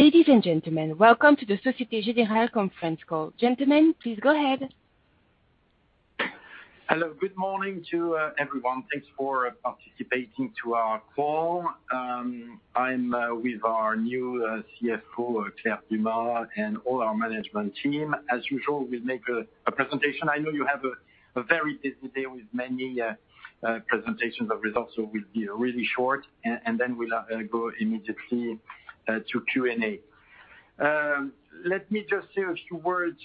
Ladies and gentlemen, welcome to the Société Générale conference call. Gentlemen, please go ahead. Hello. Good morning to everyone. Thanks for participating to our call. I'm with our new CFO, Claire Dumas, and all our management team. As usual, we'll make a presentation. I know you have a very busy day with many presentations, but results will be really short, and then we'll go immediately to Q&A. Let me just say a few words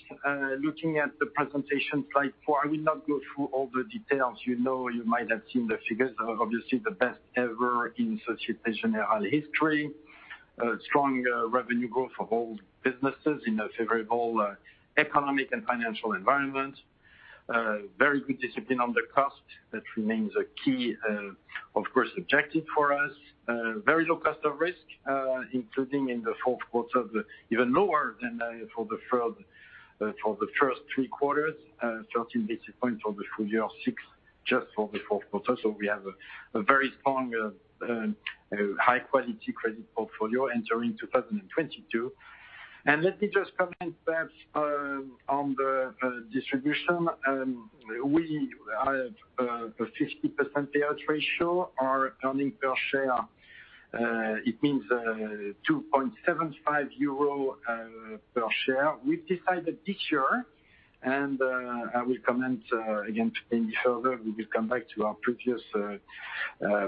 looking at the presentation. Slide four. I will not go through all the details. You know, you might have seen the figures are obviously the best ever in Société Générale history. Strong revenue growth for all businesses in a favorable economic and financial environment. Very good discipline on the cost. That remains a key, of course, objective for us. Very low cost of risk, including in the fourth quarter, even lower than for the first three quarters, 13 basis points for the full year, six just for the fourth quarter. We have a very strong, high-quality credit portfolio entering 2022. Let me just comment perhaps on the distribution. We are the 50% payout ratio, our earnings per share, it means 2.75 euro per share. We've decided this year, I will comment again in future, we will come back to our previous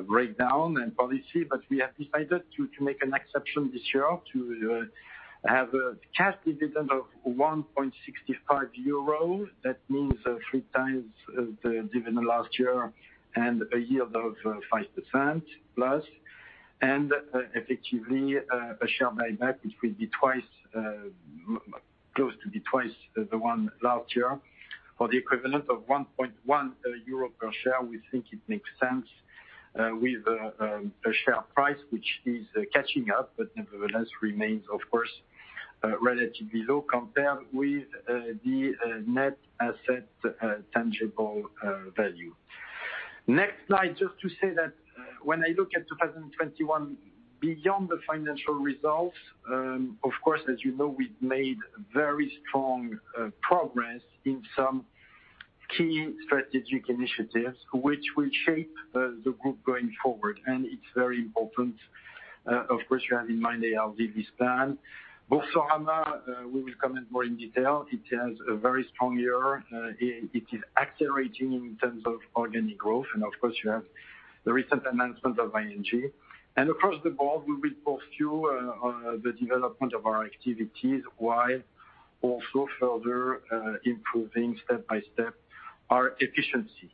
breakdown and policy. We have decided to make an exception this year to have a cash dividend of 1.65 euro. That means three times the dividend last year and a yield of 5%+. Effectively, a share buyback, which will be close to twice as the one last year or the equivalent of 1.1 euro per share. We think it makes sense with a share price which is catching up, but nevertheless remains of course relatively low compared with the net asset tangible value. Next slide, just to say that when I look at 2021, beyond the financial results, of course, as you know, we've made very strong progress in some key strategic initiatives which will shape the group going forward, and it's very important. Of course, you have in mind the ALD LeasePlan. Boursorama, we will comment more in detail. It has a very strong year. It is accelerating in terms of organic growth, and of course you have the recent announcement of ING. Across the board, we will pursue the development of our activities while also further improving step by step our efficiency.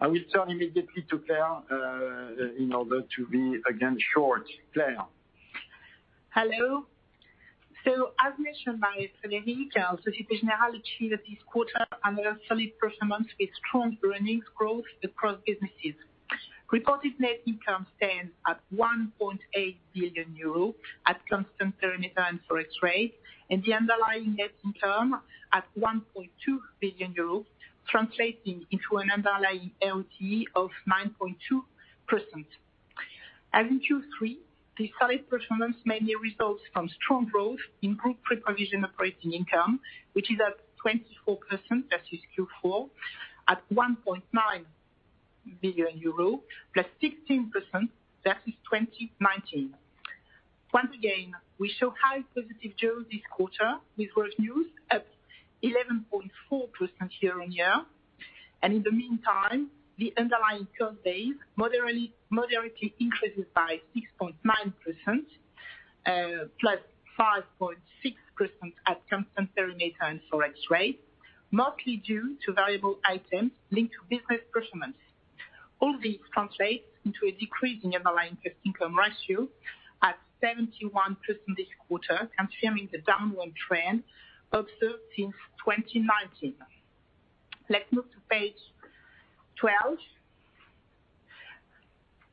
I will turn immediately to Claire in order to be, again, short. Claire? Hello. As mentioned by Frédéric, Société Générale achieved this quarter another solid performance with strong earnings growth across businesses. Reported net income stands at 1.8 billion euro at constant currency and FX rate, and the underlying net income at 1.2 billion euros, translating into an underlying ROTE of 9.2%. As in Q3, the solid performance mainly results from strong growth in group pre-provision operating income, which is at 24% versus Q4, at EUR 1.9 billion, +16% versus 2019. Once again, we show high positive growth this quarter with revenues up 11.4% year-on-year. In the meantime, the underlying cost base moderately increases by 6.9%, +5.6% at constant currency and FX rate, mostly due to variable items linked to business performance. All this translates into a decrease in underlying cost income ratio at 71% this quarter, confirming the downward trend observed since 2019. Let's move to Page 12.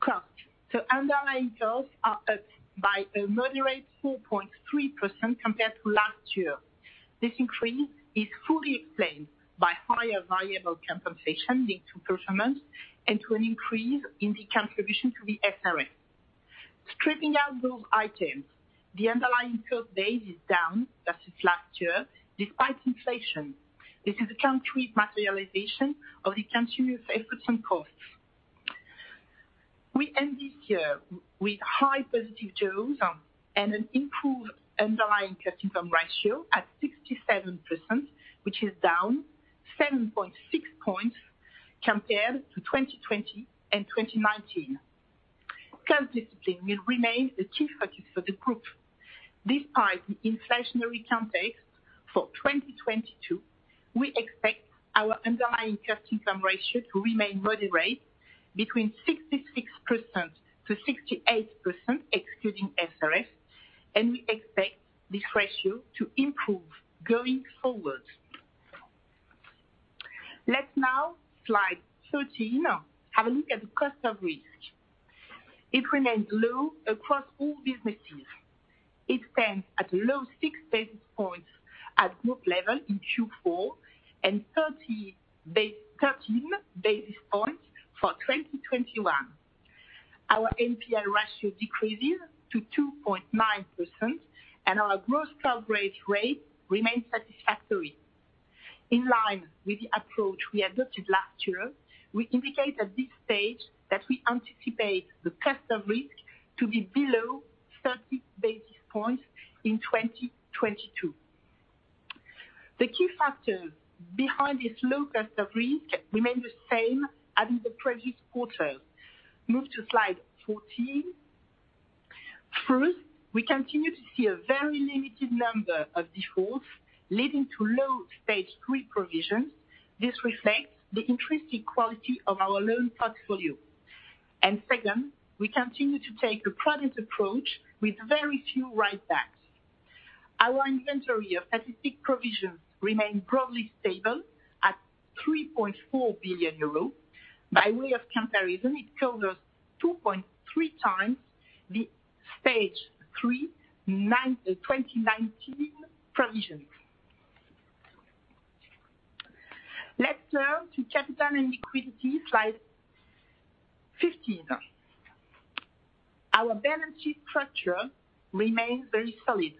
Costs. Underlying costs are up by a moderate 4.3% compared to last year. This increase is fully explained by higher variable compensation linked to performance and to an increase in the contribution to the SRF. Stripping out those items, the underlying cost base is down versus last year despite inflation. This is a concrete materialization of the continuous efforts on costs. We end this year with high positive growth, and an improved underlying cost income ratio at 67%, which is down 7.6 points compared to 2020 and 2019. Cost discipline will remain a key focus for the group. Despite the inflationary context for 2022, we expect our underlying cost income ratio to remain moderate between 66%-68% excluding SRF, and we expect this ratio to improve going forward. Let's now, Slide 13, have a look at the cost of risk. It remains low across all businesses. It stands at low 6 basis points at group level in Q4, and 13 basis points for 2021. Our NPL ratio decreases to 2.9%, and our gross progress rate remains satisfactory. In line with the approach we adopted last year, we indicate at this stage that we anticipate the cost of risk to be below 30 basis points in 2022. The key factors behind this low cost of risk remain the same as in the previous quarter. Move to Slide 14. First, we continue to see a very limited number of defaults leading to low Stage 3 provisions. This reflects the intrinsic quality of our loan portfolio. Second, we continue to take a prudent approach with very few write-backs. Our inventory of stage provisions remains broadly stable at 3.4 billion euros. By way of comparison, it covers 2.3x the Stage 3 2019 provision. Let's turn to capital and liquidity, Slide 15. Our balance sheet structure remains very solid.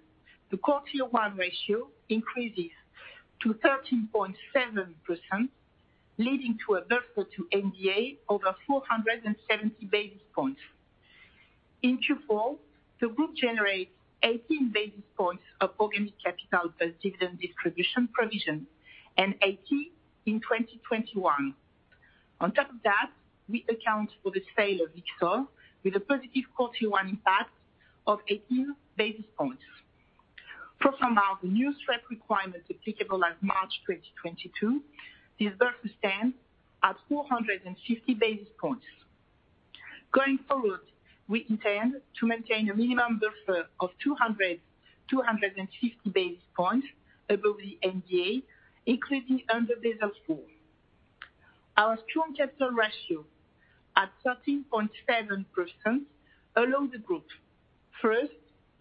The Core Tier 1 ratio increases to 13.7%, leading to a buffer to MDA over 470 basis points. In Q4, the group generates 18 basis points of organic capital pre dividend distribution provision, and 18 in 2021. On top of that, we account for the sale of Lyxor with a positive Core Tier 1 impact of 18 basis points. Pro forma, the new SREP requirements applicable as of March 2022, this buffer stands at 450 basis points. Going forward, we intend to maintain a minimum buffer of 200-250 basis points above the MDA, including under Basel IV. Our strong capital ratio at 13.7% allows the group, first,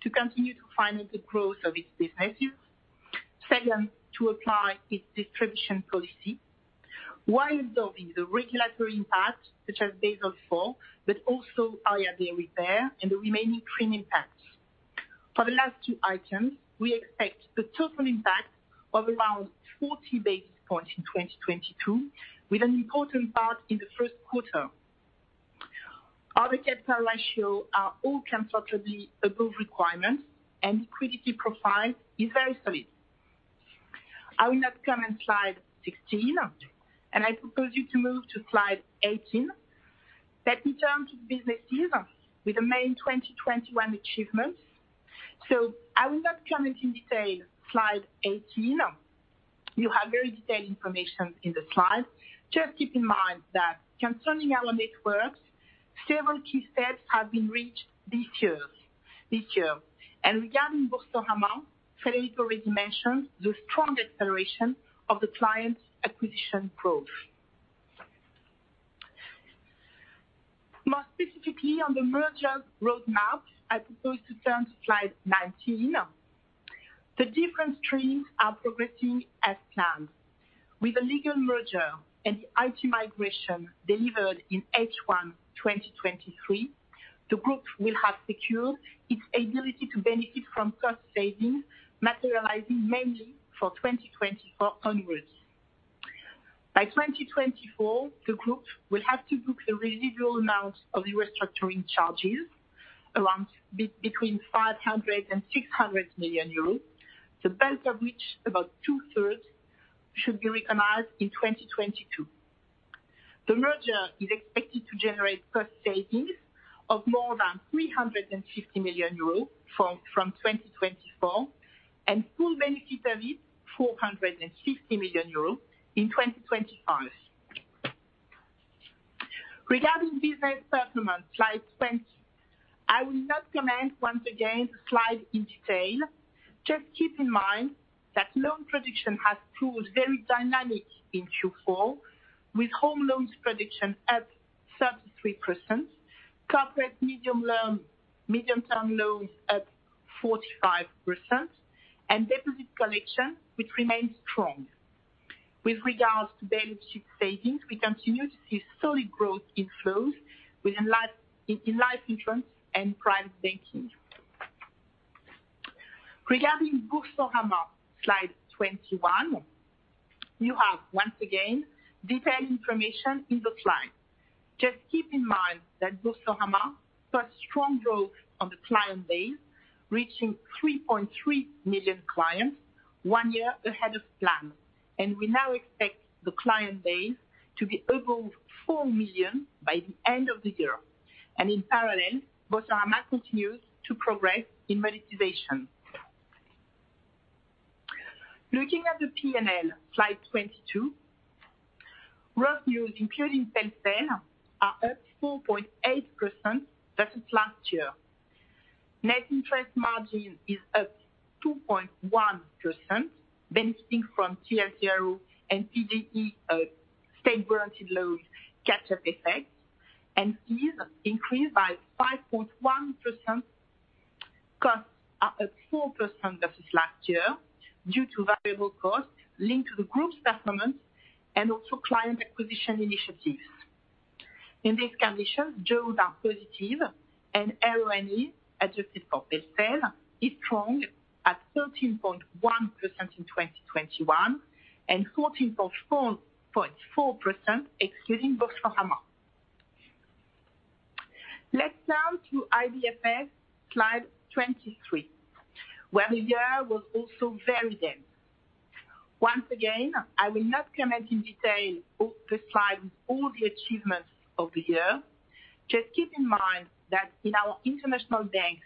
to continue to finance the growth of its businesses. Second, to apply its distribution policy while absorbing the regulatory impact, such as Basel IV, but also IRB repair and the remaining TRIM impacts. For the last two items, we expect a total impact of around 40 basis points in 2022, with an important part in the first quarter. Other capital ratio are all comfortably above requirements, and liquidity profile is very solid. I will not comment Slide 16, and I propose you to move to Slide 18. Let me turn to businesses with the main 2021 achievements. I will not comment in detail slide 18. You have very detailed information in the slide. Just keep in mind that concerning our networks, several key steps have been reached this year. Regarding Boursorama, Frédéric already mentioned the strong acceleration of the client acquisition growth. More specifically on the merger roadmap, I propose to turn to Slide 19. The different streams are progressing as planned. With the legal merger and the IT migration delivered in H1 2023, the group will have secured its ability to benefit from cost savings, materializing mainly for 2024 onwards. By 2024, the group will have to book the residual amount of the restructuring charges around between 500 million euros and 600 million euros, the bulk of which, about 2/3, should be recognized in 2022. The merger is expected to generate cost savings of more than 350 million euros from 2024, and full benefit of it, 450 million euros in 2025. Regarding business performance, Slide 20, I will not comment once again the slide in detail. Just keep in mind that loan production has proved very dynamic in Q4, with home loans production at 33%, corporate medium-term loans at 45%, and deposit collection, which remains strong. With regards to balance sheet savings, we continue to see solid growth in flows within life insurance and private banking. Regarding Boursorama, Slide 21, you have once again detailed information in the slide. Just keep in mind that Boursorama saw strong growth on the client base, reaching 3.3 million clients one year ahead of plan. We now expect the client base to be above 4 million by the end of the year. In parallel, Boursorama continues to progress in monetization. Looking at the P&L, Slide 22, revenues including fintech are up 4.8% versus last year. Net interest margin is up 2.1%, benefiting from TLTRO and PGE, state guaranteed loans catch-up effect. Fees increased by 5.1%, costs are up 4% versus last year due to variable costs linked to the group's performance and also client acquisition initiatives. In this context, jaws are positive and ROAE, adjusted for fair value, is strong at 13.1% in 2021, and 14.4% excluding Boursorama. Let's turn to IBFS, Slide 23, where the year was also very dense. Once again, I will not comment in detail on the slides all the achievements of the year. Just keep in mind that in our international banks,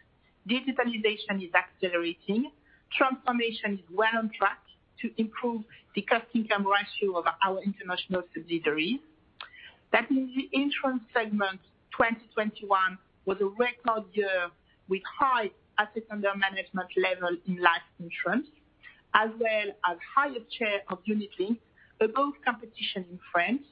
digitalization is accelerating, transformation is well on track to improve the cost-income ratio of our international subsidiaries. That means the insurance segment 2021 was a record year with high assets under management level in life insurance, as well as higher share of unit link, but Boursorama in France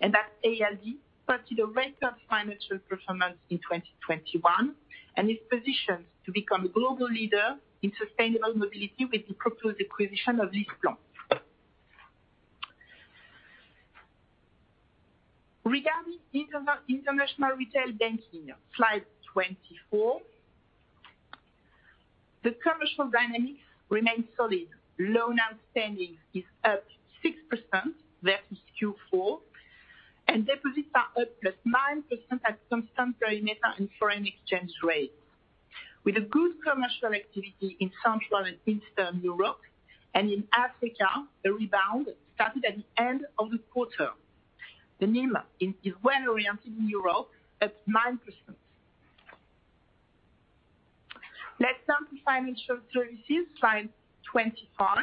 and at ALD posted a record financial performance in 2021 and is positioned to become a global leader in sustainable mobility with the proposed acquisition of LeasePlan. Regarding international retail banking, Slide 24. The commercial dynamics remain solid. Loan outstanding is up 6% versus Q4, and deposits are up +9% at constant perimeter and foreign exchange rate. With a good commercial activity in Central and Eastern Europe and in Africa, the rebound started at the end of the quarter. The NIM is well-oriented in Europe at 9%. Let's turn to financial services, Slide 25.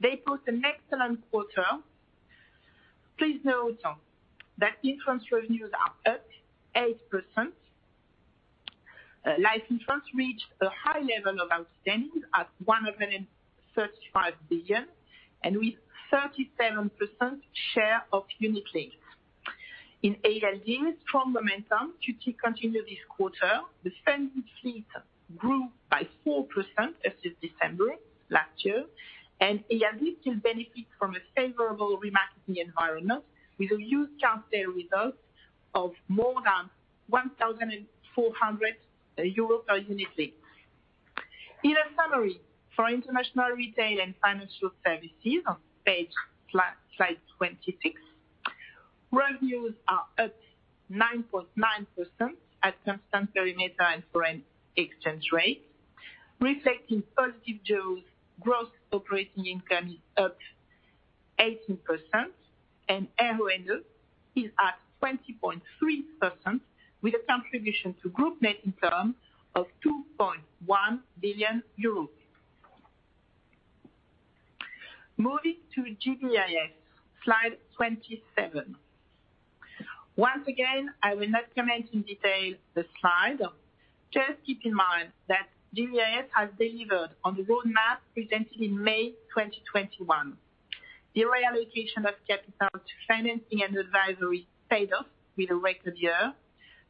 They put an excellent quarter. Please note that insurance revenues are up 8%. Life insurance reached a high level of outstanding at 135 billion and with 37% share of unit link. In ALD, strong momentum continue this quarter. The funded fleet grew by 4% as of December last year, and ALD still benefit from a favorable remarketing environment with a used car sale results of more than 1,400 euro per unit link. In a summary for international retail and financial services on page Slide 26, revenues are up 9.9% at constant perimeter and foreign exchange rate, reflecting positive jaws. Gross operating income is up 18% and ROE is at 20.3% with a contribution to group net income of EUR 2.1 billion. Moving to GBIS, Slide 27. Once again, I will not comment in detail the slide. Just keep in mind that GBIS has delivered on the roadmap presented in May 2021. The reallocation of capital to financing and advisory paid off with a record year.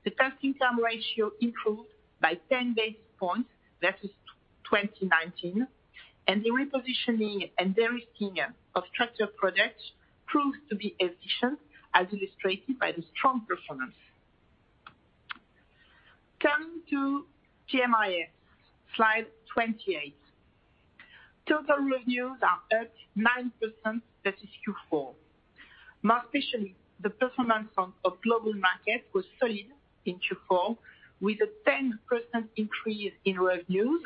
The cost-income ratio improved by ten basis points versus 2019, and the repositioning and de-risking of structured products proved to be efficient, as illustrated by the strong performance. Coming to GBIS, Slide 28. Total revenues are up 9% versus Q4. More especially, the performance of Global Markets was solid in Q4 with a 10% increase in revenues,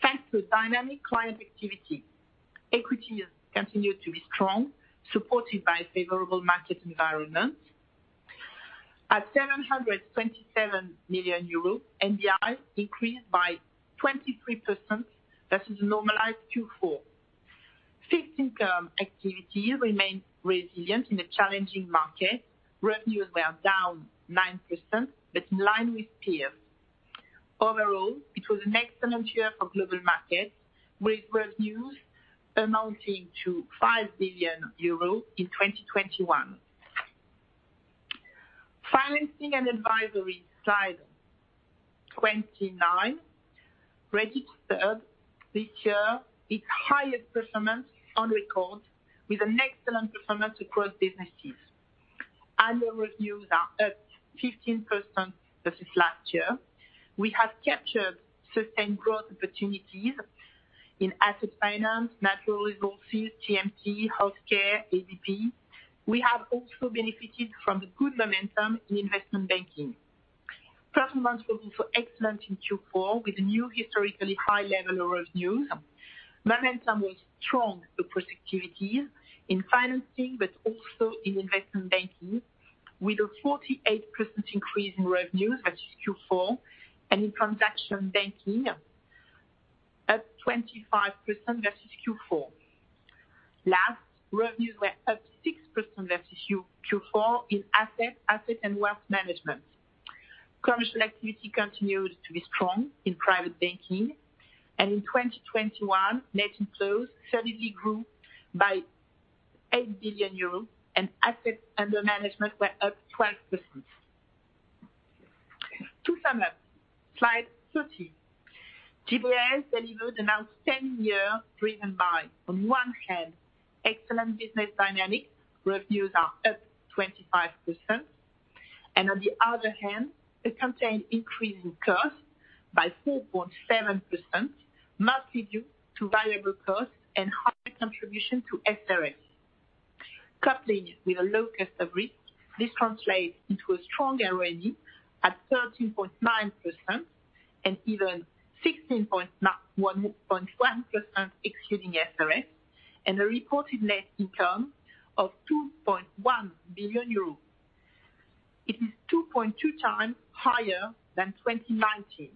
thanks to dynamic client activity. Equity has continued to be strong, supported by a favorable market environment. At 727 million euros, NBI increased by 23% versus normalized Q4. Fixed income activity remained resilient in a challenging market. Revenues were down 9%, but in line with peers. Overall, it was an excellent year for Global Markets, with revenues amounting to 5 billion euros in 2021. Financing and advisory, Slide 29, registered this year its highest performance on record with an excellent performance across businesses. Annual revenues are up 15% versus last year. We have captured sustained growth opportunities in asset finance, natural resources, TMT, healthcare, ADP. We have also benefited from the good momentum in investment banking. Performance was also excellent in Q4 with new historically high level of revenues. Momentum was strong across activities in financing, but also in investment banking, with a 48% increase in revenues versus Q4 and in transaction banking up 25% versus Q4. Last, revenues were up 6% versus Q4 in asset and wealth management. Commercial activity continued to be strong in private banking, and in 2021, net inflows steadily grew by 8 billion euros, and assets under management were up 12%. To sum up, Slide 30. GBIS delivered an outstanding year, driven by on one hand, excellent business dynamics. Revenues are up 25%. On the other hand, it contained increasing costs by 4.7%, mostly due to variable costs and higher contribution to SRF. Coupled with a low cost of risk, this translates into a strong ROE at 13.9% and even 16.11% excluding SRS, and a reported net income of 2.1 billion euros. It is 2.2x higher than 2019.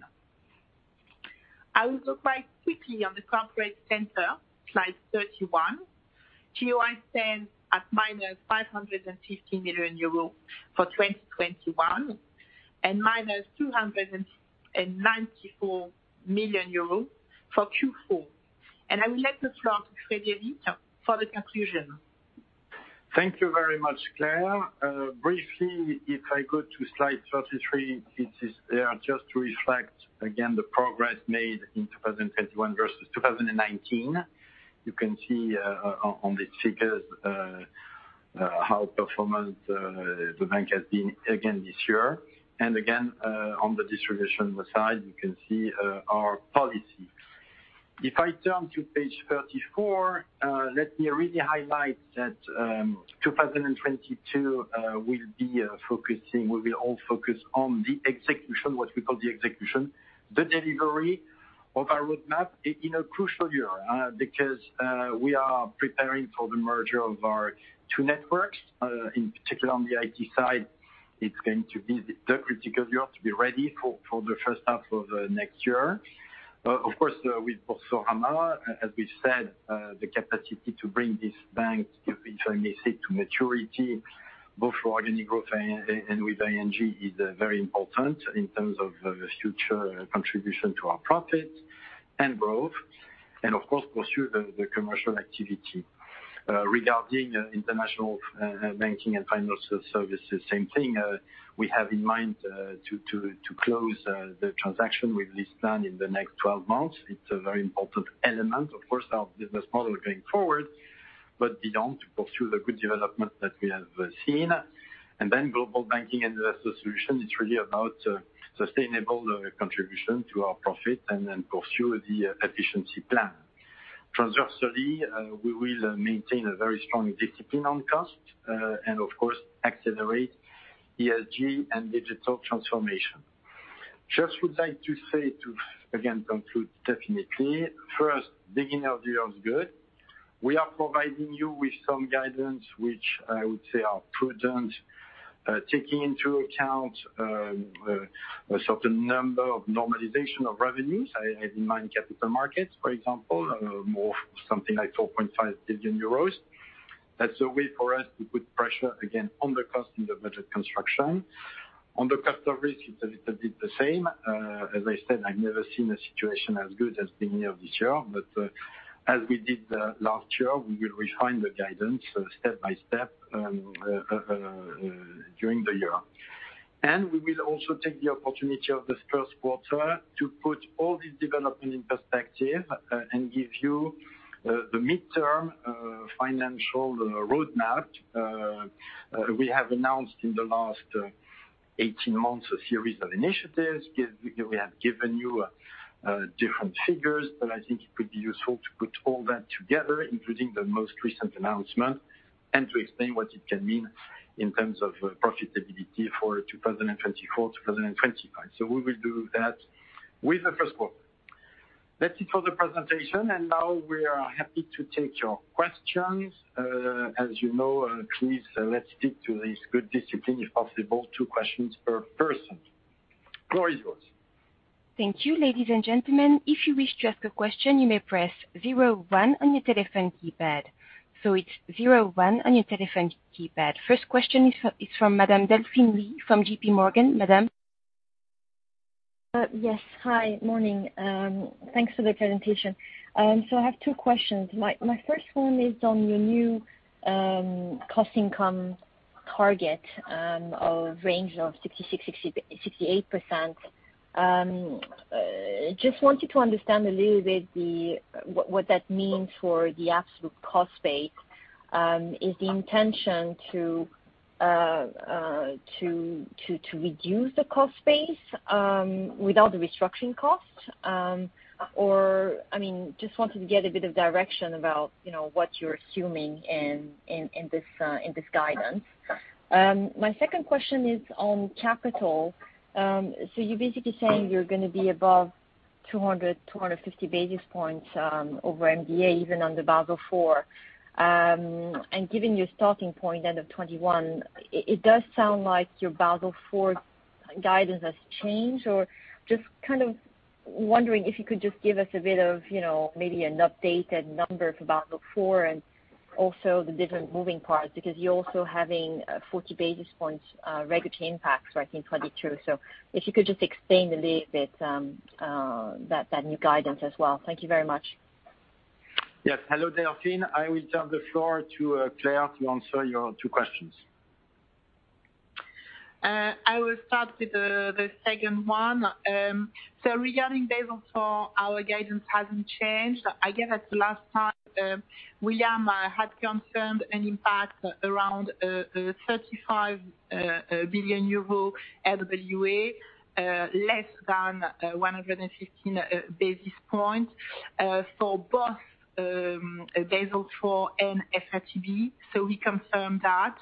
I will look very quickly on the corporate center, Slide 31. GIO stands at -550 million euro for 2021, and -294 million euro for Q4. I will let the floor to Frédéric for the conclusion. Thank you very much, Claire. Briefly, if I go to Slide 33, it is just to reflect again the progress made in 2021 versus 2019. You can see on the figures how the performance of the bank has been again this year. Again on the distribution side, you can see our policy. If I turn to Page 34, let me really highlight that 2022 will be all focused on the execution, what we call the execution, the delivery of our roadmap in a crucial year because we are preparing for the merger of our two networks. In particular, on the IT side, it's going to be the critical year to be ready for the first half of next year. Of course, with Boursorama, as we said, the capacity to bring this bank internally safe to maturity, both for organic growth and with ING is very important in terms of future contribution to our profit and growth, and of course, pursue the commercial activity. Regarding international banking and financial services, same thing. We have in mind to close the transaction with LeasePlan in the next 12 months. It's a very important element, of course, our business model going forward, but we do pursue the good development that we have seen. Global Banking & Investor Solutions is really about sustainable contribution to our profit and then pursue the efficiency plan. Transversally, we will maintain a very strong discipline on cost, and of course, accelerate ESG and digital transformation. Just would like to say to, again, conclude technically, first, beginning of the year was good. We are providing you with some guidance, which I would say are prudent, taking into account a certain number of normalization of revenues. I have in mind capital markets, for example, more something like 4.5 billion euros. That's a way for us to put pressure again on the cost in the budget construction. On the cost of risk, it's a little bit the same. As I said, I've never seen a situation as good as beginning of this year. As we did last year, we will refine the guidance, so step by step during the year. We will also take the opportunity of this first quarter to put all the development in perspective, and give you the mid-term financial roadmap. We have announced in the last 18 months a series of initiatives. We have given you different figures, but I think it could be useful to put all that together, including the most recent announcement, and to explain what it can mean in terms of profitability for 2024, 2025. We will do that with the first quarter. That's it for the presentation, and now we are happy to take your questions. As you know, please let's stick to this good discipline, if possible, two questions per person. Floor is yours. Thank you, ladies and gentlemen. If you wish to ask a question, you may press zero one on your telephone keypad. It's zero one on your telephone keypad. First question is from Madame Delphine Lee from JPMorgan. Madame? Yes. Hi. Morning. Thanks for the presentation. I have two questions. My first one is on your new cost income target of 66%-68%. Just wanted to understand a little bit what that means for the absolute cost base. Is the intention to reduce the cost base without the restructuring costs? Or, I mean, just wanted to get a bit of direction about, you know, what you're assuming in this guidance. My second question is on capital. You're basically saying you're gonna be above 200-250 basis points over MDA even under Basel IV. Given your starting point end of 2021, it does sound like your Basel IV guidance has changed, or just kind of wondering if you could just give us a bit of, you know, maybe an updated number for Basel IV and also the different moving parts, because you're also having 40 basis points regulatory impact for, I think, 2022. If you could just explain a bit, that new guidance as well. Thank you very much. Yes. Hello, Delphine. I will turn the floor to Claire to answer your two questions. I will start with the second one. Regarding Basel IV, our guidance hasn't changed. I guess at the last time, William had confirmed an impact around 35 billion euro RWA, less than 115 basis points, for both Basel IV and FRTB. We confirm that.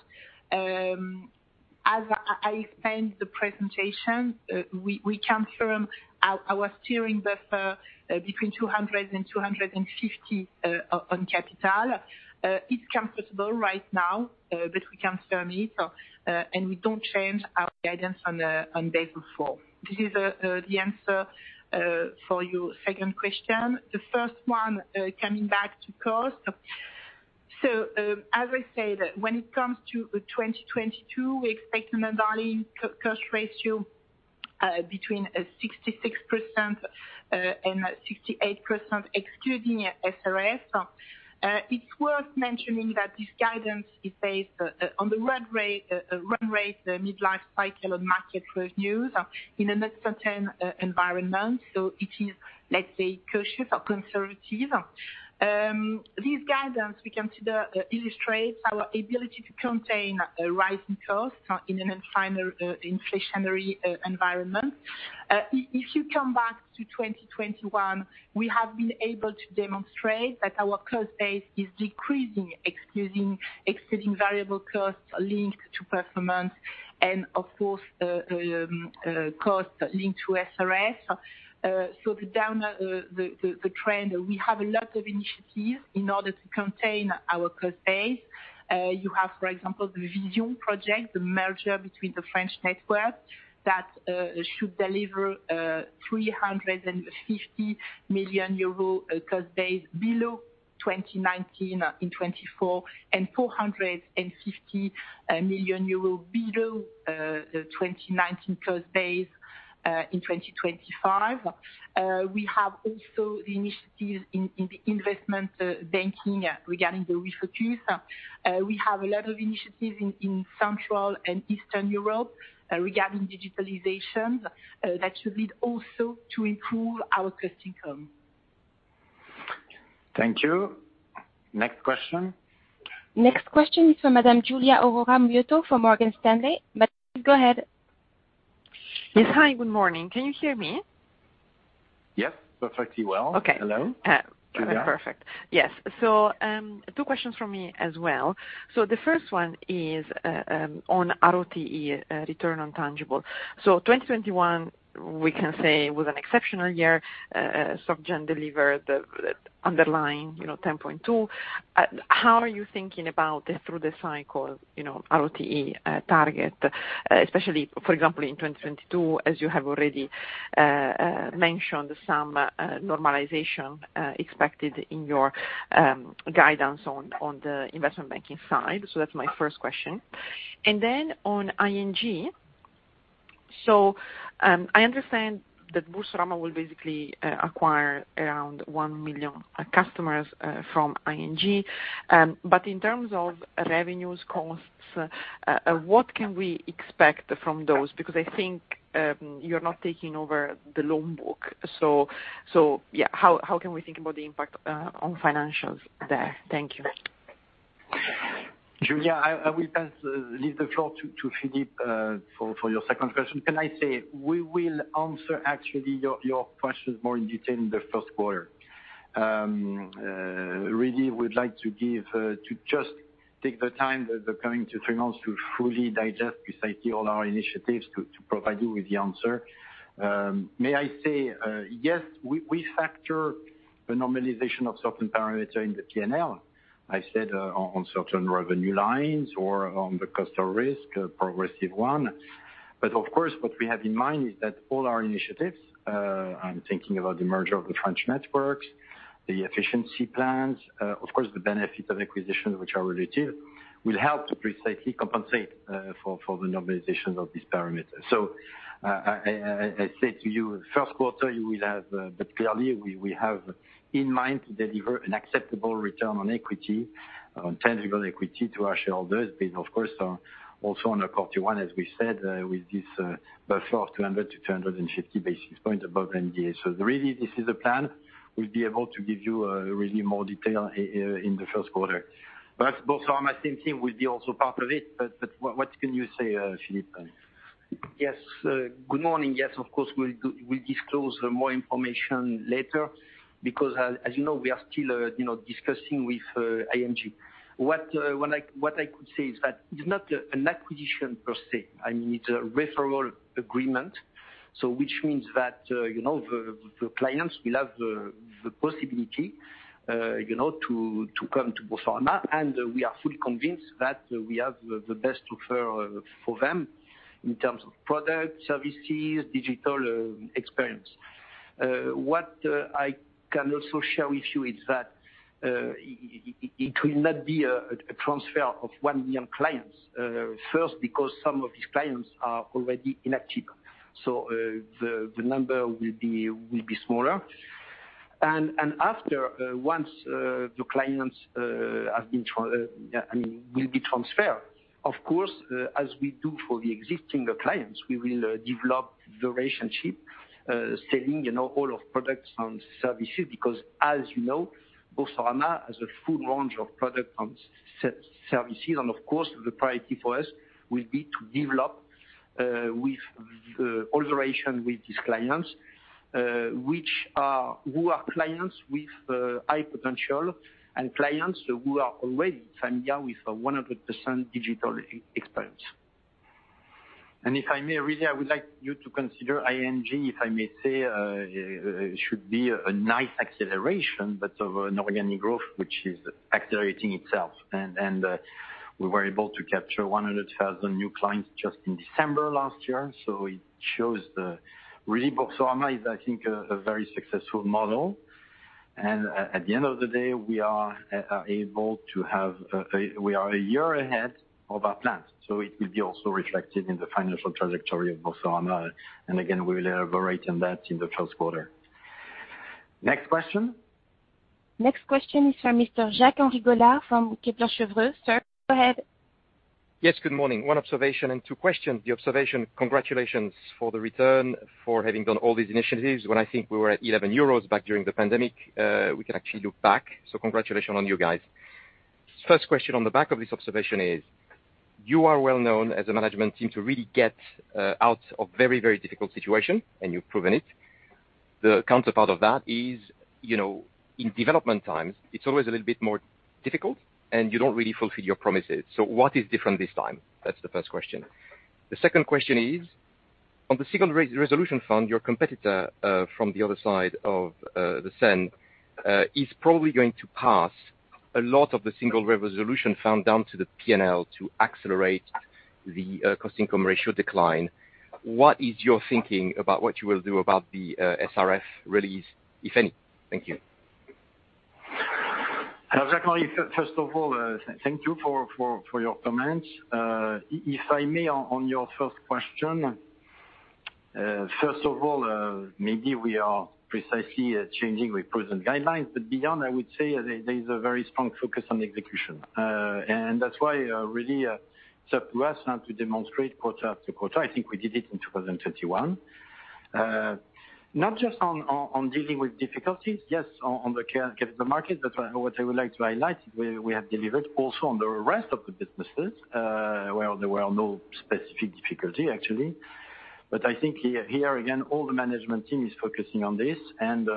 As I explained in the presentation, we confirm our steering buffer between 200-250 on capital. It's comfortable right now, but we confirm it, and we don't change our guidance on Basel IV. This is the answer for your second question. The first one, coming back to cost. As I said, when it comes to 2022, we expect an underlying cost ratio between 66%-68%, excluding SRS. It's worth mentioning that this guidance is based on the run rate mid lifecycle of market revenues in an uncertain environment. It is, let's say, cautious or conservative. This guidance, we consider, illustrates our ability to contain rising costs in an inflationary environment. If you come back to 2021, we have been able to demonstrate that our cost base is decreasing, excluding variable costs linked to performance and of course, costs linked to SRS. To sum up the trend, we have a lot of initiatives in order to contain our cost base. You have, for example, the Vision 2025, the merger between the French networks that should deliver 350 million euro cost base below 2019 in 2024, and 450 million euro below the 2019 cost base in 2025. We have also the initiatives in the investment banking regarding the refocus. We have a lot of initiatives in Central and Eastern Europe regarding digitalization that should lead also to improve our cost-to-income. Thank you. Next question. Next question is from Madame Giulia Aurora Miotto from Morgan Stanley. Madame, go ahead. Yes. Hi, good morning. Can you hear me? Yes, perfectly well. Okay. Hello, Giulia. Perfect. Yes. Two questions from me as well. The first one is on ROTE, return on tangible. 2021, we can say, was an exceptional year. SocGen delivered the underlying, you know, 10.2%. How are you thinking about the through the cycle, you know, ROTE target, especially, for example, in 2022, as you have already mentioned some normalization expected in your guidance on the investment banking side? That's my first question. On ING. I understand that Boursorama will basically acquire around 1 million customers from ING. In terms of revenues, costs, what can we expect from those? Because I think, you're not taking over the loan book, so yeah, how can we think about the impact on financials there? Thank you. Giulia, I will leave the floor to Philippe for your second question. Can I say we will answer actually your questions more in detail in the first quarter. Really would like to just take the time the coming three months to fully digest precisely all our initiatives to provide you with the answer. May I say, yes, we factor the normalization of certain parameters in the PNL, I said, on certain revenue lines or on the customer risk, a progressive one. Of course, what we have in mind is that all our initiatives, I'm thinking about the merger of the French networks, the efficiency plans, of course, the benefit of acquisitions, which are relative, will help to precisely compensate for the normalization of these parameters. I say to you, first quarter you will have, but clearly we have in mind to deliver an acceptable return on equity, on tangible equity to our shareholders. Of course, also on a 41, as we said, with this buffer of 200-250 basis points above NGA. Really, this is the plan. We'll be able to give you really more detail in the first quarter. Boursorama, same thing, will be also part of it. What can you say, Philippe? Yes. Good morning. Yes, of course, we'll disclose more information later because, as you know, we are still you know, discussing with ING. What I could say is that it's not an acquisition per se. I mean, it's a referral agreement, which means that you know, the clients will have the possibility you know, to come to Boursorama. We are fully convinced that we have the best offer for them. In terms of product, services, digital experience. What I can also share with you is that it will not be a transfer of 1 million clients. First, because some of these clients are already inactive, so the number will be smaller. After once the clients I mean will be transferred, of course, as we do for the existing clients, we will develop the relationship selling, you know, all of products and services because as you know, Boursorama has a full range of products and services. Of course, the priority for us will be to develop with all the relation with these clients who are clients with high potential and clients who are already familiar with a 100% digital experience. If I may, really, I would like you to consider ING, if I may say, it should be a nice acceleration, but of an organic growth, which is accelerating itself. We were able to capture 100,000 new clients just in December last year. So it shows really Boursorama is, I think, a very successful model. At the end of the day, we are a year ahead of our plans, so it will be also reflected in the financial trajectory of Boursorama. Again, we will elaborate on that in the first quarter. Next question. Next question is from Mr. Jacques-Henri Gaulard from Cheuvreux. Sir, go ahead. Yes, good morning. One observation and two questions. The observation, congratulations for the return, for having done all these initiatives. When I think we were at 11 euros back during the pandemic, we can actually look back. Congratulations on you guys. First question on the back of this observation is, you are well known as a management team to really get out of very, very difficult situation, and you've proven it. The counterpart of that is, you know, in development times, it's always a little bit more difficult, and you don't really fulfill your promises. What is different this time? That's the first question. The second question is, on the Single Resolution Fund, your competitor from the other side of the Seine is probably going to pass a lot of the Single Resolution Fund down to the P&L to accelerate the cost income ratio decline. What is your thinking about what you will do about the SRF release, if any? Thank you. Henri, first of all, thank you for your comments. If I may on your first question, first of all, maybe we are precisely changing the present guidelines, but beyond, I would say there's a very strong focus on execution. That's why, really, it's up to us now to demonstrate quarter after quarter. I think we did it in 2021. Not just on dealing with difficulties, yes, on the current state of the market, but what I would like to highlight, we have delivered also on the rest of the businesses, where there were no specific difficulty actually. I think here again, all the management team is focusing on this and,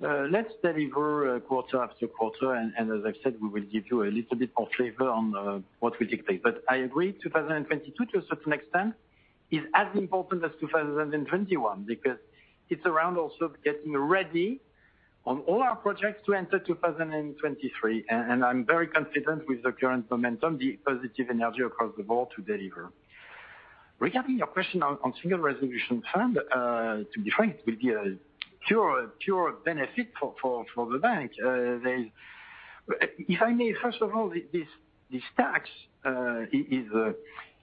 let's deliver quarter after quarter. As I've said, we will give you a little bit of flavor on what we dictate. I agree, 2022 to a certain extent is as important as 2021 because it's around also getting ready on all our projects to enter 2023. I'm very confident with the current momentum, the positive energy across the board to deliver. Regarding your question on Single Resolution Fund, to be frank, it will be a pure benefit for the bank. If I may, first of all, this tax is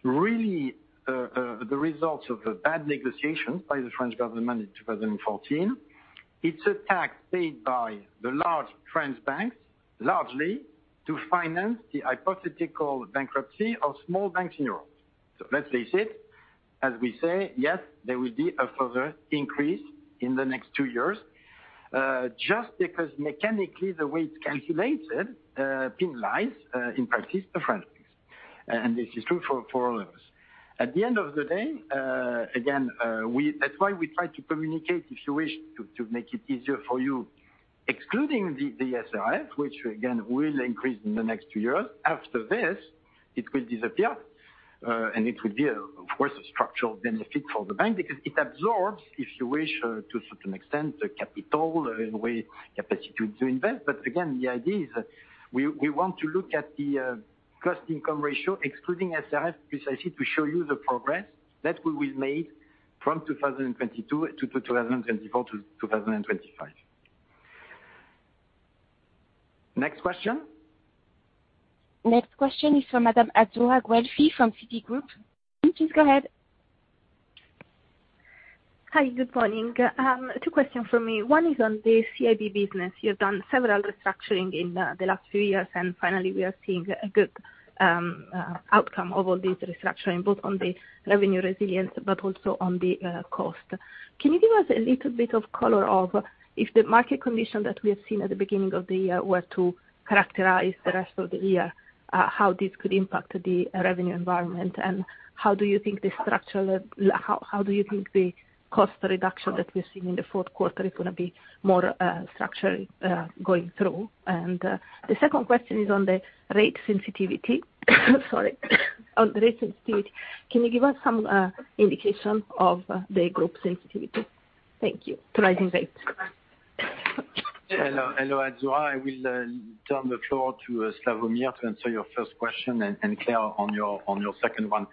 really the result of a bad negotiation by the French government in 2014. It's a tax paid by the large French banks, largely to finance the hypothetical bankruptcy of small banks in Europe. Let's face it, as we say, yes, there will be a further increase in the next two years, just because mechanically the way it's calculated penalizes, in practice, the French banks. This is true for all of us. At the end of the day, again, that's why we try to communicate, if you wish, to make it easier for you. Excluding the SRF, which again will increase in the next two years. After this, it will disappear, and it will be, of course, a structural benefit for the bank because it absorbs, if you wish, to a certain extent, the capital, in a way, capacity to invest. The idea is we want to look at the cost income ratio excluding SRF, precisely to show you the progress that will be made from 2022 to 2024 to 2025. Next question. Next question is from Madame Azzurra Guelfi from Citigroup. Please go ahead. Hi, good morning. Two questions from me. One is on the CIB business. You've done several restructurings in the last few years, and finally, we are seeing a good outcome of all this restructuring, both on the revenue resilience, but also on the cost. Can you give us a little bit of color on if the market conditions that we have seen at the beginning of the year were to characterize the rest of the year, how this could impact the revenue environment? And how do you think the cost reduction that we're seeing in the fourth quarter is gonna be more structurally going through? The second question is on the rate sensitivity. Can you give us some indication of the group sensitivity? Thank you. To rising rates. Hello, Azzurra. I will turn the floor to Slawomir to answer your first question and Claire on your second one.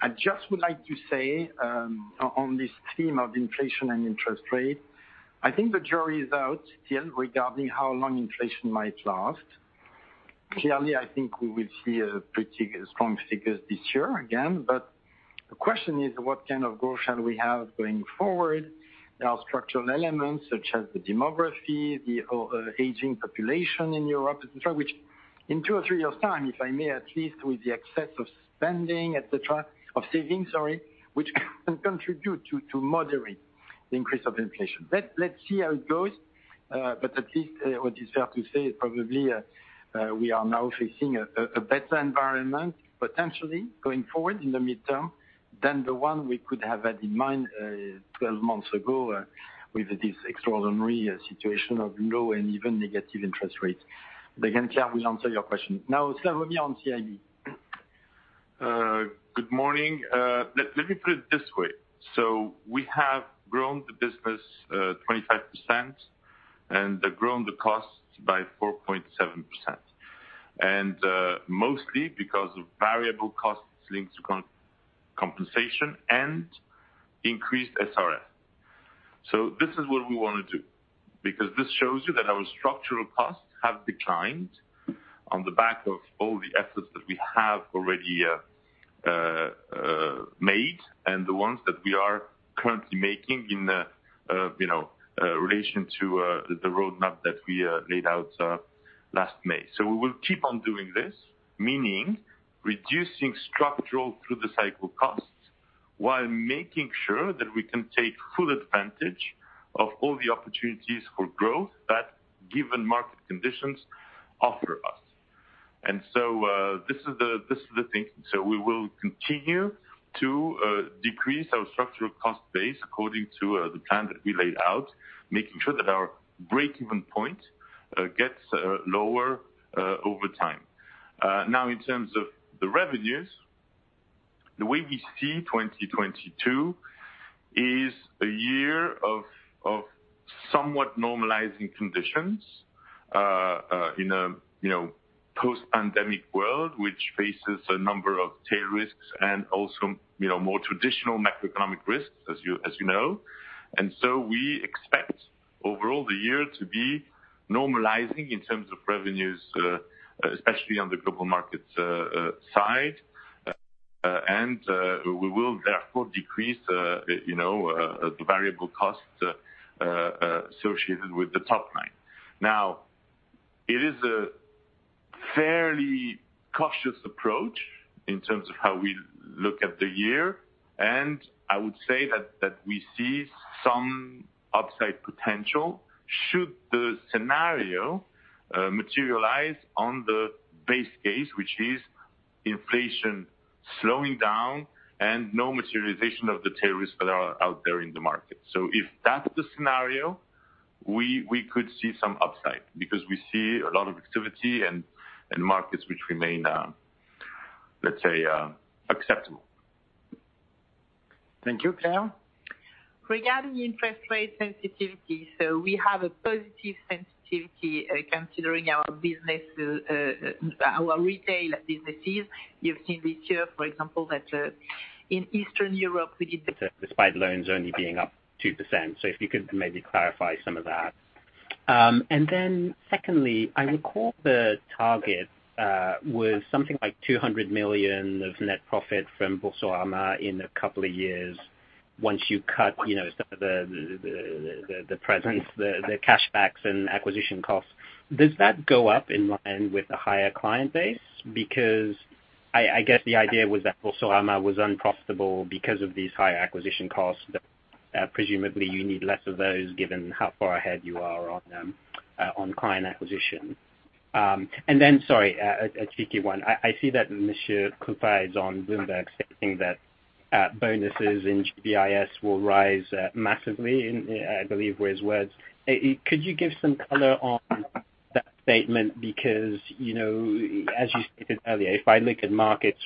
I just would like to say, on this theme of inflation and interest rate, I think the jury is out still regarding how long inflation might last. Clearly, I think we will see pretty strong figures this year again, but the question is what kind of growth shall we have going forward? There are structural elements such as the demography, the aging population in Europe, etc., which in two or three years' time, if I may, at least with the excess of spending, etcetera, of saving, sorry, which can contribute to moderate the increase of inflation. Let's see how it goes, but at least what is fair to say is probably we are now facing a better environment potentially going forward in the mid-term than the one we could have had in mind 12 months ago with this extraordinary situation of low and even negative interest rates. Again, Claire will answer your question. Now, Slawomir on CIB. Good morning. Let me put it this way. We have grown the business 25% and grown the costs by 4.7%. Mostly because of variable costs linked to compensation and increased SRF. This is what we wanna do, because this shows you that our structural costs have declined on the back of all the efforts that we have already made, and the ones that we are currently making in, you know, relation to the roadmap that we laid out last May. We will keep on doing this, meaning reducing structural through-the-cycle costs while making sure that we can take full advantage of all the opportunities for growth that given market conditions offer us. This is the thing. We will continue to decrease our structural cost base according to the plan that we laid out, making sure that our break-even point gets lower over time. Now in terms of the revenues, the way we see 2022 is a year of somewhat normalizing conditions in a you know post-pandemic world, which faces a number of tail risks and also you know more traditional macroeconomic risks, as you know. We expect overall the year to be normalizing in terms of revenues, especially on the Global Markets side, and we will therefore decrease you know the variable costs associated with the top line. Now, it is a fairly cautious approach in terms of how we look at the year, and I would say that that we see some upside potential should the scenario materialize on the base case, which is inflation slowing down and no materialization of the tail risks that are out there in the market. If that's the scenario, we could see some upside because we see a lot of activity and markets which remain, let's say, acceptable. Thank you. Claire? Regarding interest rate sensitivity, we have a positive sensitivity, considering our business, our retail businesses. You've seen this year, for example, that, in Eastern Europe, we did- Despite loans only being up 2%. If you could maybe clarify some of that. And then secondly, I recall the target was something like 200 million of net profit from Boursorama in a couple of years once you cut, you know, some of the expenses, the cash backs and acquisition costs. Does that go up in line with the higher client base? Because I guess the idea was that Boursorama was unprofitable because of these high acquisition costs that presumably you need less of those given how far ahead you are on client acquisition. And then sorry, a tricky one. I see that Monsieur Krupa is on Bloomberg stating that bonuses in GBIS will rise massively, I believe, were his words. Could you give some color on that statement? Because, you know, as you stated earlier, if I look at markets,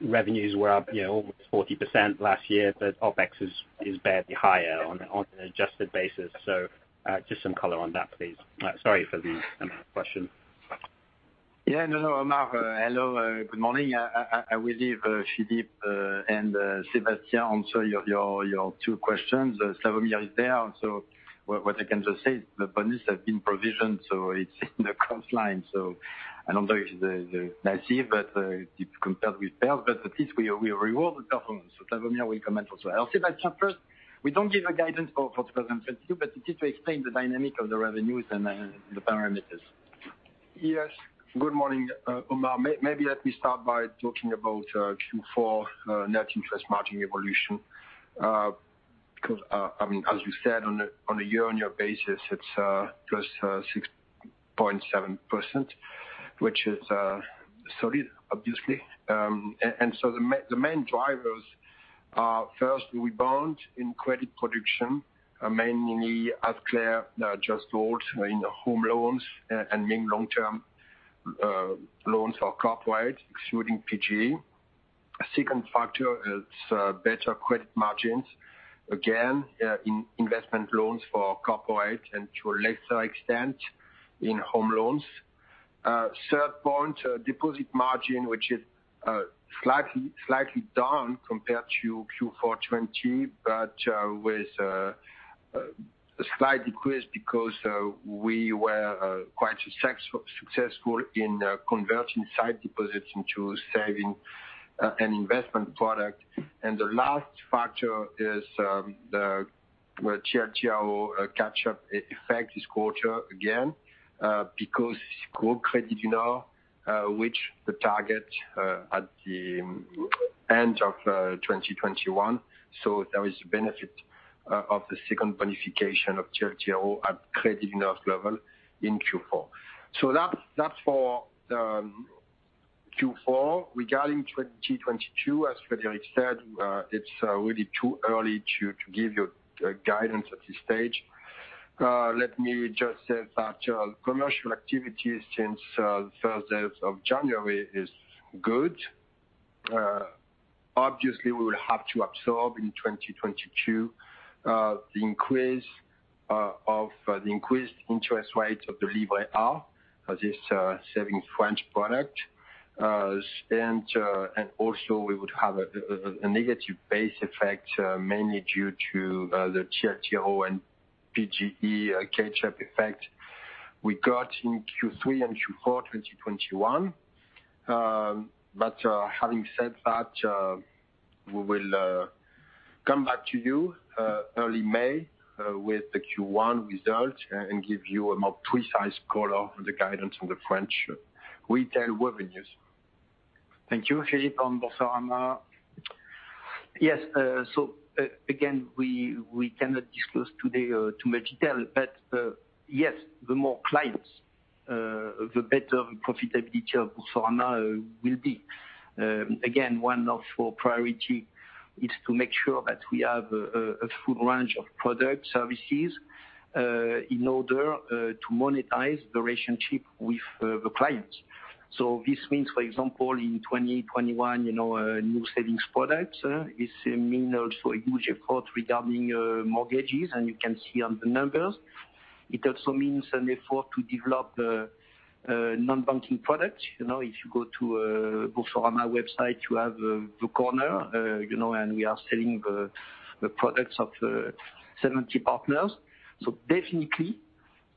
revenues were up, you know, almost 40% last year, but OpEx is barely higher on an adjusted basis. Just some color on that, please. Sorry for the amount of questions. Yeah, no, Omar. Hello, good morning. I will leave Philippe and Sébastien answer your two questions. Slawomir is there, so what I can just say is the bonus has been provisioned, so it's in the cost line. I don't know if the net yield, but it compares with sales, but at least we reward the performance. Slawomir will comment also. Sébastien first, we don't give a guidance for 2022, but just to explain the dynamic of the revenues and the parameters. Yes. Good morning, Omar. Maybe let me start by talking about Q4 net interest margin evolution. 'Cause I mean, as you said, on a year-on-year basis, it's +6.7%, which is solid, obviously. The main drivers are first rebound in credit production, mainly as Claire just told in home loans and main long-term loans for corporate, excluding PGE. A second factor is better credit margins, again, in investment loans for corporate and to a lesser extent in home loans. Third point, deposit margin, which is slightly down compared to Q4 2020, but with a slight decrease because we were quite successful in converting sight deposits into saving and investment product. The last factor is the TLTRO catch-up effect this quarter again, because group Credit, you know, which the target at the end of 2021, so there is benefit of the second bonification of TLTRO at Crédit du Nord level in Q4. That's for Q4. Regarding 2022, as Frédéric said, it's really too early to give you guidance at this stage. Let me just say that commercial activities since first days of January is good. Obviously we will have to absorb in 2022 the increase of the increased interest rates of the Livret A, this savings French product. And also we would have a negative base effect mainly due to the TLTRO and PGE catch-up effect we got in Q3 and Q4 2021. Having said that, we will come back to you early May with the Q1 results and give you a more precise color of the guidance on the French retail revenues. Thank you. Philippe on Boursorama. Yes, again, we cannot disclose today too much detail, but yes, the more clients, the better profitability of Boursorama will be. Again, one of our priority is to make sure that we have a full range of product services in order to monetize the relationship with the clients. This means, for example, in 2021, you know, new savings products is a means to a huge effort regarding mortgages, and you can see in the numbers. It also means an effort to develop the non-banking product. You know, if you go to the Boursorama website, you have the corner, you know, and we are selling the products of 70 partners. Definitely,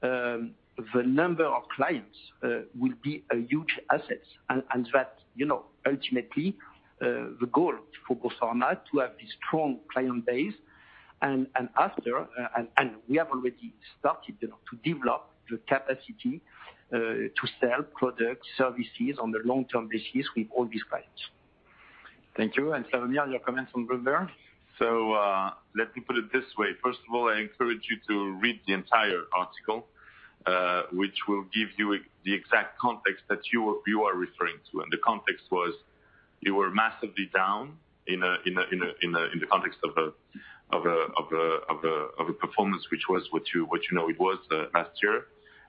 the number of clients will be a huge asset. that you know ultimately the goal for Boursorama to have a strong client base and after we have already started you know to develop the capacity to sell products, services on the long-term basis with all these clients. Thank you. Slawomir, your comments on Bloomberg. Let me put it this way. First of all, I encourage you to read the entire article, which will give you the exact context that you are referring to. The context was you were massively down in the context of a performance which was what you know it was last year,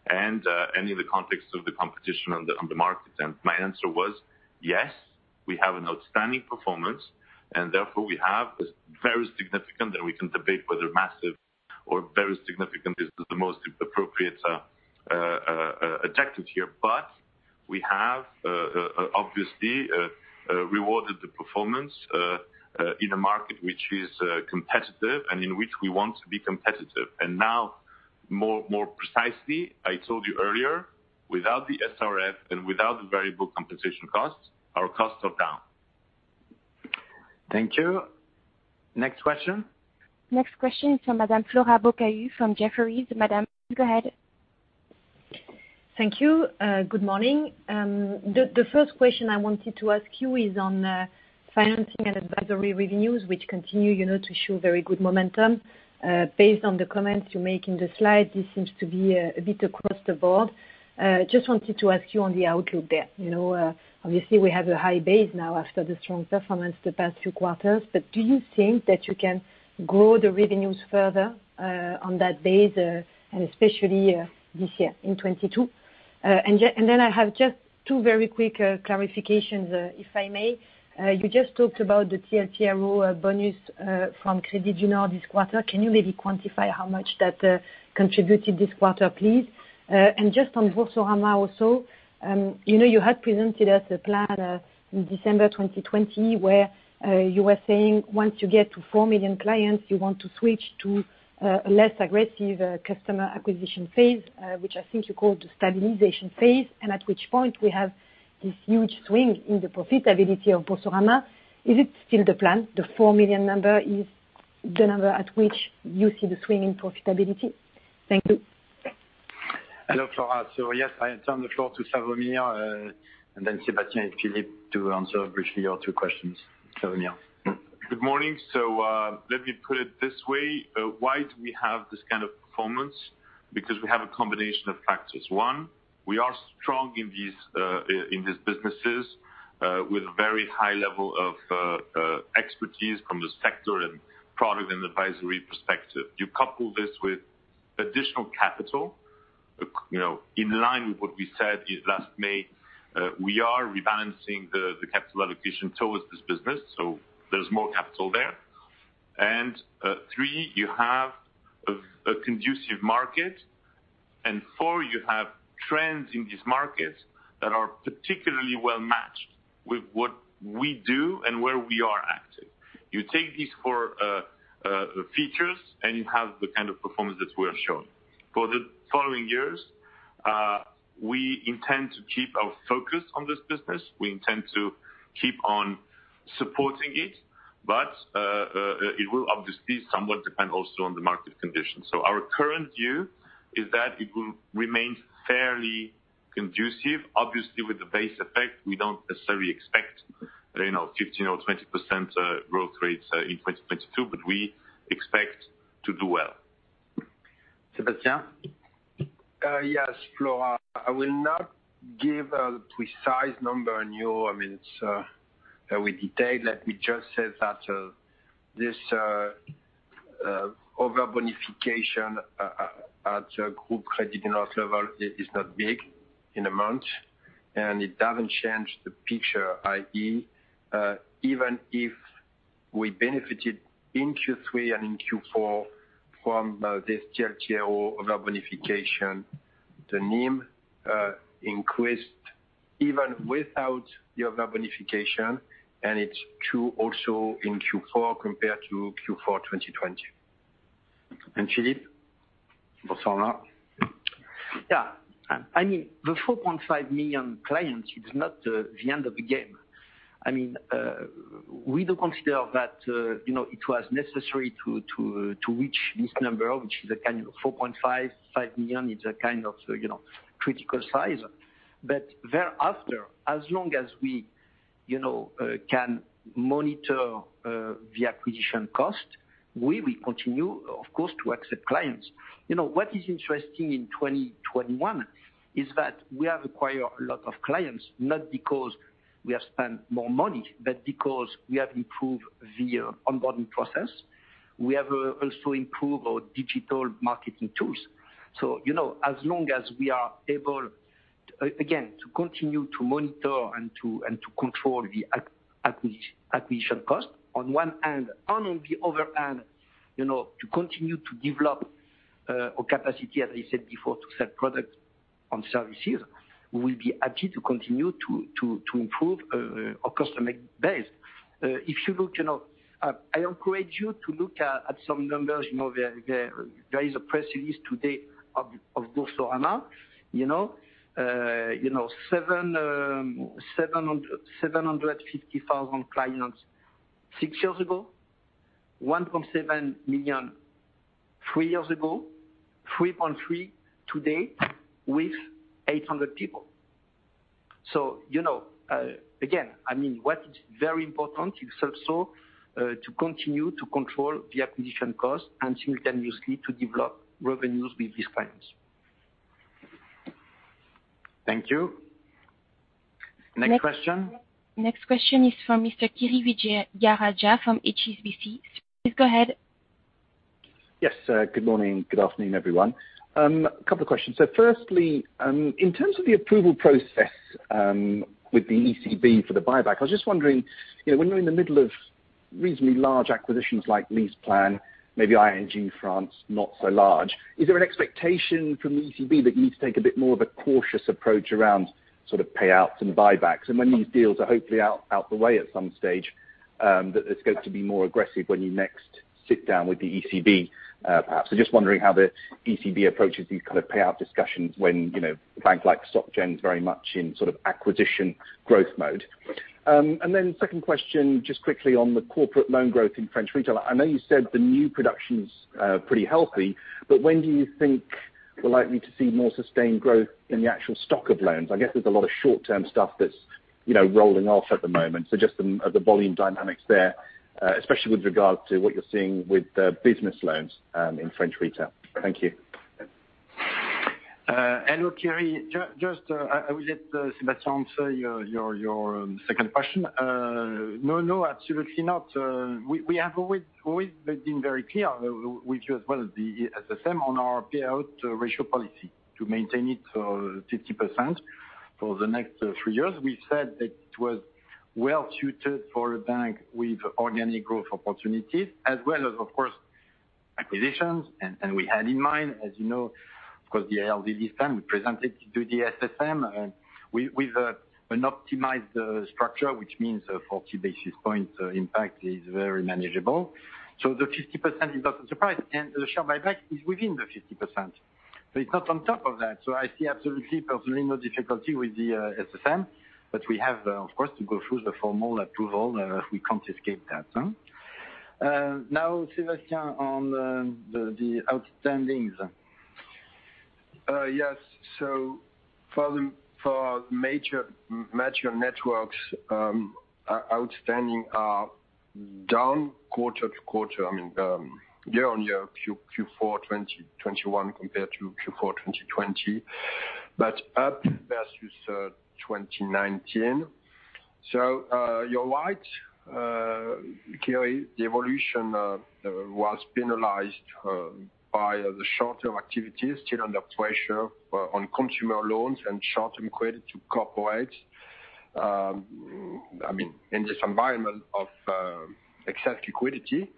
and in the context of the competition on the market. My answer was, yes, we have an outstanding performance, and therefore we have a very significant, that we can debate whether massive or very significant is the most appropriate adjective here. We have obviously rewarded the performance in a market which is competitive and in which we want to be competitive. Now more precisely, I told you earlier, without the SRF and without the variable compensation costs, our costs are down. Thank you. Next question. Next question from Madame Flora Bocahut from Jefferies. Madame, go ahead. Thank you. Good morning. The first question I wanted to ask you is on financing and advisory revenues, which continue, you know, to show very good momentum. Based on the comments you make in the slide, this seems to be a bit across the board. Just wanted to ask you on the outlook there. You know, obviously we have a high base now after the strong performance the past two quarters, but do you think that you can grow the revenues further on that base and especially this year in 2022? And then I have just two very quick clarifications if I may. You just talked about the TLTRO bonus from Société Générale this quarter. Can you maybe quantify how much that contributed this quarter, please? Just on Boursorama also, you know, you had presented us a plan in December 2020 where you were saying once you get to 4 million clients, you want to switch to a less aggressive customer acquisition phase, which I think you called the stabilization phase, and at which point we have this huge swing in the profitability of Boursorama. Is it still the plan? The 4 million number is the number at which you see the swing in profitability? Thank you. Hello, Flora. Yes, I turn the floor to Slawomir, and then Sébastien and Philippe to answer briefly your two questions. Slawomir. Good morning. Let me put it this way. Why do we have this kind of performance? Because we have a combination of factors. One, we are strong in these businesses with very high level of expertise from the sector and product and advisory perspective. You couple this with additional capital You know, in line with what we said is last May, we are rebalancing the capital allocation towards this business, so there's more capital there. Three, you have a conducive market, and four, you have trends in these markets that are particularly well-matched with what we do and where we are active. You take these four features, and you have the kind of performance that we're showing. For the following years, we intend to keep our focus on this business. We intend to keep on supporting it, but it will obviously somewhat depend also on the market conditions. Our current view is that it will remain fairly conducive. Obviously, with the base effect, we don't necessarily expect 15% or 20% growth rates in 2022, but we expect to do well. Sebastien? Yes, Flora. I will not give a precise number on you. I mean, let me just say that this over bonification at group credit loss level is not big in amount, and it doesn't change the picture. I.e., even if we benefited in Q3 and in Q4 from this GLGO over bonification, the NIM increased even without your over bonification, and it's true also in Q4 compared to Q4 2020. Philippe for Sana? Yeah. I mean, the 4.5 million clients is not the end of the game. I mean, we do consider that, you know, it was necessary to reach this number, which is a kind of 4.5 million-5 million. It's a kind of, you know, critical size. Thereafter, as long as we, you know, can monitor the acquisition cost, we will continue, of course, to accept clients. You know, what is interesting in 2021 is that we have acquired a lot of clients, not because we have spent more money, but because we have improved the onboarding process. We have also improved our digital marketing tools. You know, as long as we are able to continue to monitor and to control the acquisition cost on one hand, and on the other hand, you know, to continue to develop our capacity, as I said before, to sell products and services, we will be happy to continue to improve our customer base. If you look, you know, I encourage you to look at some numbers. You know, there is a press release today of Boursorama, you know. You know, 750,000 clients six years ago, 1.7 million three years ago, 3.3 million today with 800 people. You know, again, I mean, what is very important is also to continue to control the acquisition costs and simultaneously to develop revenues with these clients. Thank you. Next question. Next question is from Mr. Kiri Vijayarajah from HSBC. Please go ahead. Yes, good morning, good afternoon, everyone. A couple of questions. Firstly, in terms of the approval process, with the ECB for the buyback, I was just wondering, you know, when you're in the middle of reasonably large acquisitions like LeasePlan, maybe ING France, not so large, is there an expectation from the ECB that you need to take a bit more of a cautious approach around sort of payouts and buybacks? When these deals are hopefully out the way at some stage, that there's going to be more aggressive when you next sit down with the ECB, perhaps. Just wondering how the ECB approaches these kind of payout discussions when, you know, a bank like Société Générale is very much in sort of acquisition growth mode. Second question, just quickly on the corporate loan growth in French retail. I know you said the new production's pretty healthy, but when do you think we're likely to see more sustained growth in the actual stock of loans? I guess there's a lot of short-term stuff that's, you know, rolling off at the moment. Just the volume dynamics there, especially with regard to what you're seeing with the business loans in French retail. Thank you. Hello, Kiri. Just, I will let Sébastien answer your second question. No, absolutely not. We have always been very clear, you as well, the SSM on our payout ratio policy to maintain it 50% for the next three years. We said that it was well suited for a bank with organic growth opportunities as well as, of course, acquisitions. We had in mind, as you know, of course, the ALD this time we presented to the SSM, we have an optimized structure, which means a 40 basis points impact is very manageable. The 50% is not a surprise, and the share buyback is within the 50%. It's not on top of that. I see absolutely personally no difficulty with the SSM, but we have of course to go through the formal approval. We can't escape that. Now, Sébastien, on the outstandings. Yes. For major networks, our outstanding are down quarter-over-quarter. I mean, year-on-year, Q4 2021 compared to Q4 2020. Up versus 2019. You're right, Kiri, the evolution was penalized by the short-term activities still under pressure on consumer loans and short-term credit to corporate. I mean, in this environment of excess liquidity,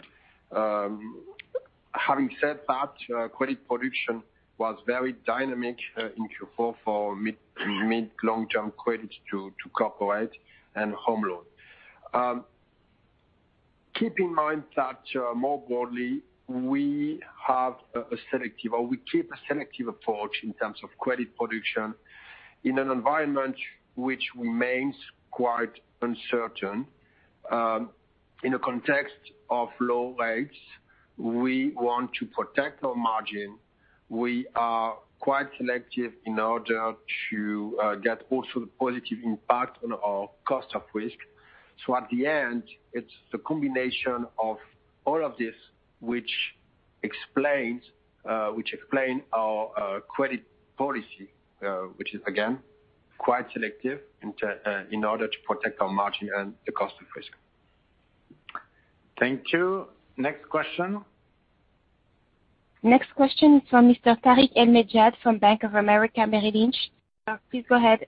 having said that, credit production was very dynamic in Q4 for mid long-term credit to corporate and home loan. Keep in mind that, more broadly, we have a selective, or we keep a selective approach in terms of credit production in an environment which remains quite uncertain. In a context of low rates, we want to protect our margin. We are quite selective in order to get also the positive impact on our cost of risk. At the end, it's the combination of all of this which explains our credit policy, which is again, quite selective in order to protect our margin and the cost of risk. Thank you. Next question. Next question is from Mr. Tarik El Mejjad from Bank of America Merrill Lynch. Please go ahead.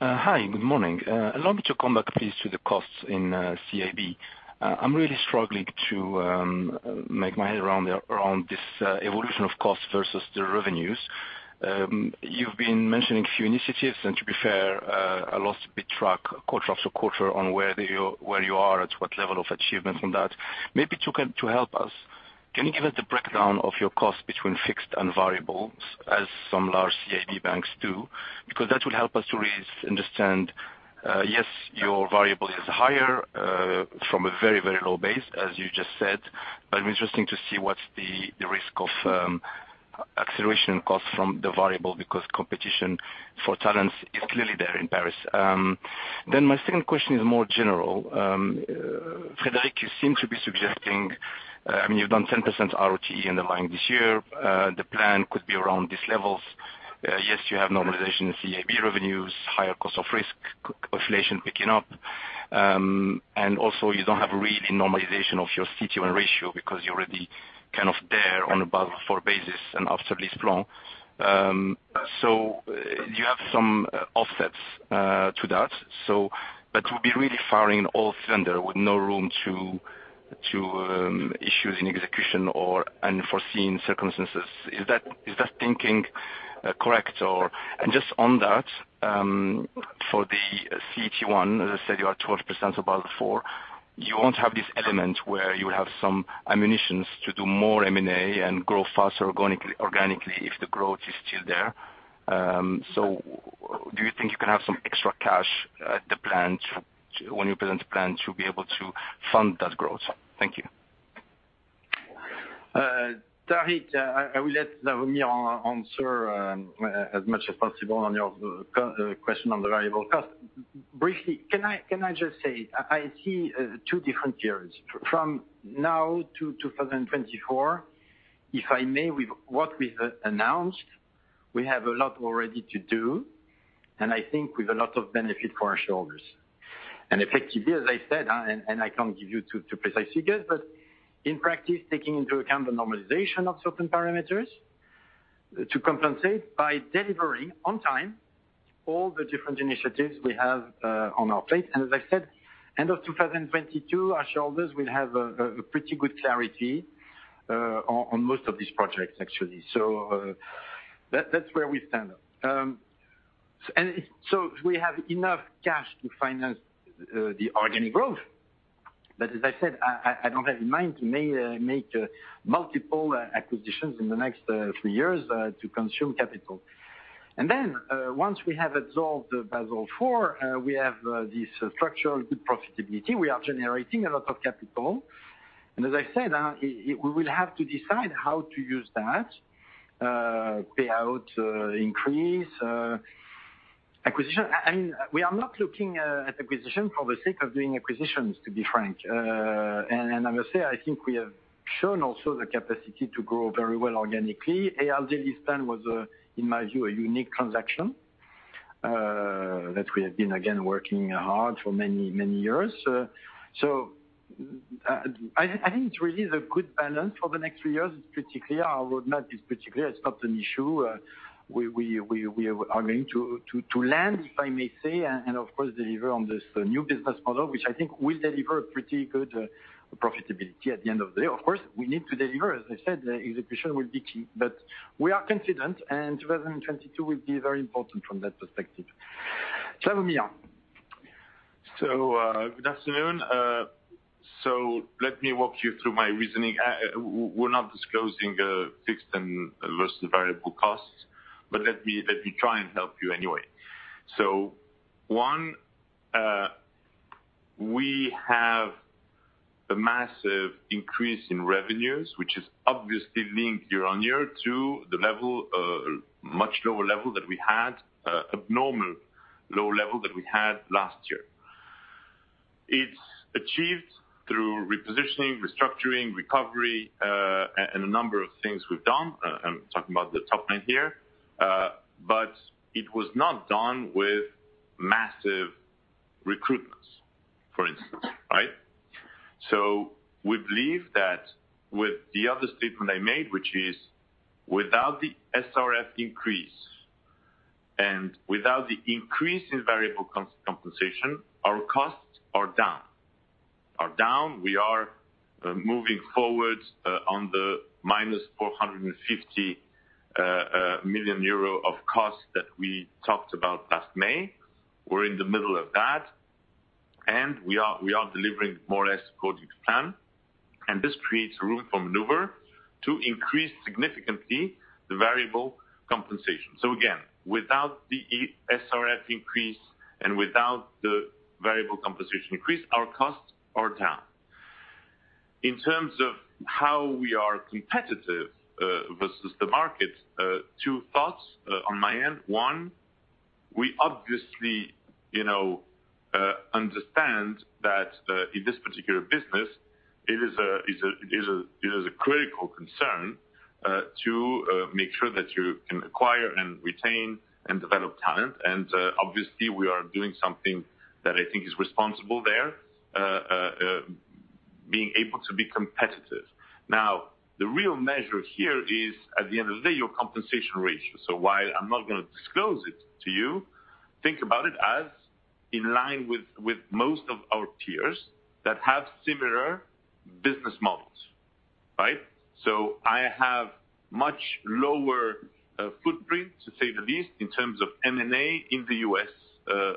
Hi, good morning. Allow me to come back, please, to the costs in CIB. I'm really struggling to get my head around this evolution of costs versus the revenues. You've been mentioning a few initiatives, and to be fair, I lost track a bit quarter-after-quarter on where you are at what level of achievement on that. Maybe to help us, can you give us a breakdown of your costs between fixed and variable, as some large CIB banks do? Because that will help us to really understand, yes, your variable is higher from a very, very low base, as you just said, but I'm interested to see what's the risk of acceleration costs from the variable because competition for talents is clearly there in Paris. My second question is more general. Frédéric, you seem to be suggesting, I mean, you've done 10% ROTE in the bank this year. The plan could be around these levels. Yes, you have normalization of CIB revenues, higher cost of risk, inflation picking up, and also you don't have really normalization of your CET1 ratio because you're already kind of there on above 4% and after this plan. You have some offsets to that. But you'll be really firing on all cylinders with no room for issues in execution or unforeseen circumstances. Is that thinking correct? Or, just on that, for the CET1, as I said, you are 12% above 4%. You won't have this element where you have some ammunition to do more M&A and grow faster organically if the growth is still there. Do you think you can have some extra cash at the plan to, when you present the plan, to be able to fund that growth? Thank you. Tarik, I will let Slawomir answer as much as possible on your question on the variable cost. Briefly, can I just say, I see two different years. From now to 2024, if I may, with what we've announced, we have a lot already to do, and I think with a lot of benefit for our shareholders. Effectively, as I said, I can't give you two precise figures, but in practice, taking into account the normalization of certain parameters, to compensate by delivering on time all the different initiatives we have on our plate. As I said, end of 2022, our shareholders will have a pretty good clarity on most of these projects, actually. That's where we stand. We have enough cash to finance the organic growth. As I said, I don't have in mind to make multiple acquisitions in the next three years to consume capital. Once we have absorbed the Basel IV, we have this structural good profitability. We are generating a lot of capital. As I said, we will have to decide how to use that payout increase acquisition. I mean, we are not looking at acquisition for the sake of doing acquisitions, to be frank. I must say, I think we have shown also the capacity to grow very well organically. ALD LeasePlan was, in my view, a unique transaction that we have been again working hard for many years. I think it's really a good balance for the next three years. It's pretty clear. Our roadmap is pretty clear. It's not an issue. We are going to land, if I may say, and of course, deliver on this new business model, which I think will deliver a pretty good profitability at the end of the day. Of course, we need to deliver. As I said, the execution will be key. We are confident, and 2022 will be very important from that perspective. Slawomir. Good afternoon. Let me walk you through my reasoning. We're not disclosing fixed and versus variable costs, but let me try and help you anyway. One, we have a massive increase in revenues, which is obviously linked year-on-year to the level, much lower level that we had, abnormal low level that we had last year. It's achieved through repositioning, restructuring, recovery, and a number of things we've done. I'm talking about the top line here. But it was not done with massive recruitments, for instance, right? We believe that with the other statement I made, which is without the SRF increase and without the increase in variable compensation, our costs are down. We are moving forward on the -450 million euro of costs that we talked about last May. We're in the middle of that, and we are delivering more or less according to plan, and this creates room for maneuver to increase significantly the variable compensation. Again, without the SRF increase and without the variable compensation increase, our costs are down. In terms of how we are competitive versus the market, two thoughts on my end. One, we obviously, you know, understand that in this particular business, it is a critical concern to make sure that you can acquire and retain and develop talent. Obviously, we are doing something that I think is responsible there, being able to be competitive. Now, the real measure here is at the end of the day, your compensation ratio. While I'm not gonna disclose it to you, think about it as in line with most of our peers that have similar business models, right? I have much lower footprint, to say the least, in terms of M&A in the U.S.,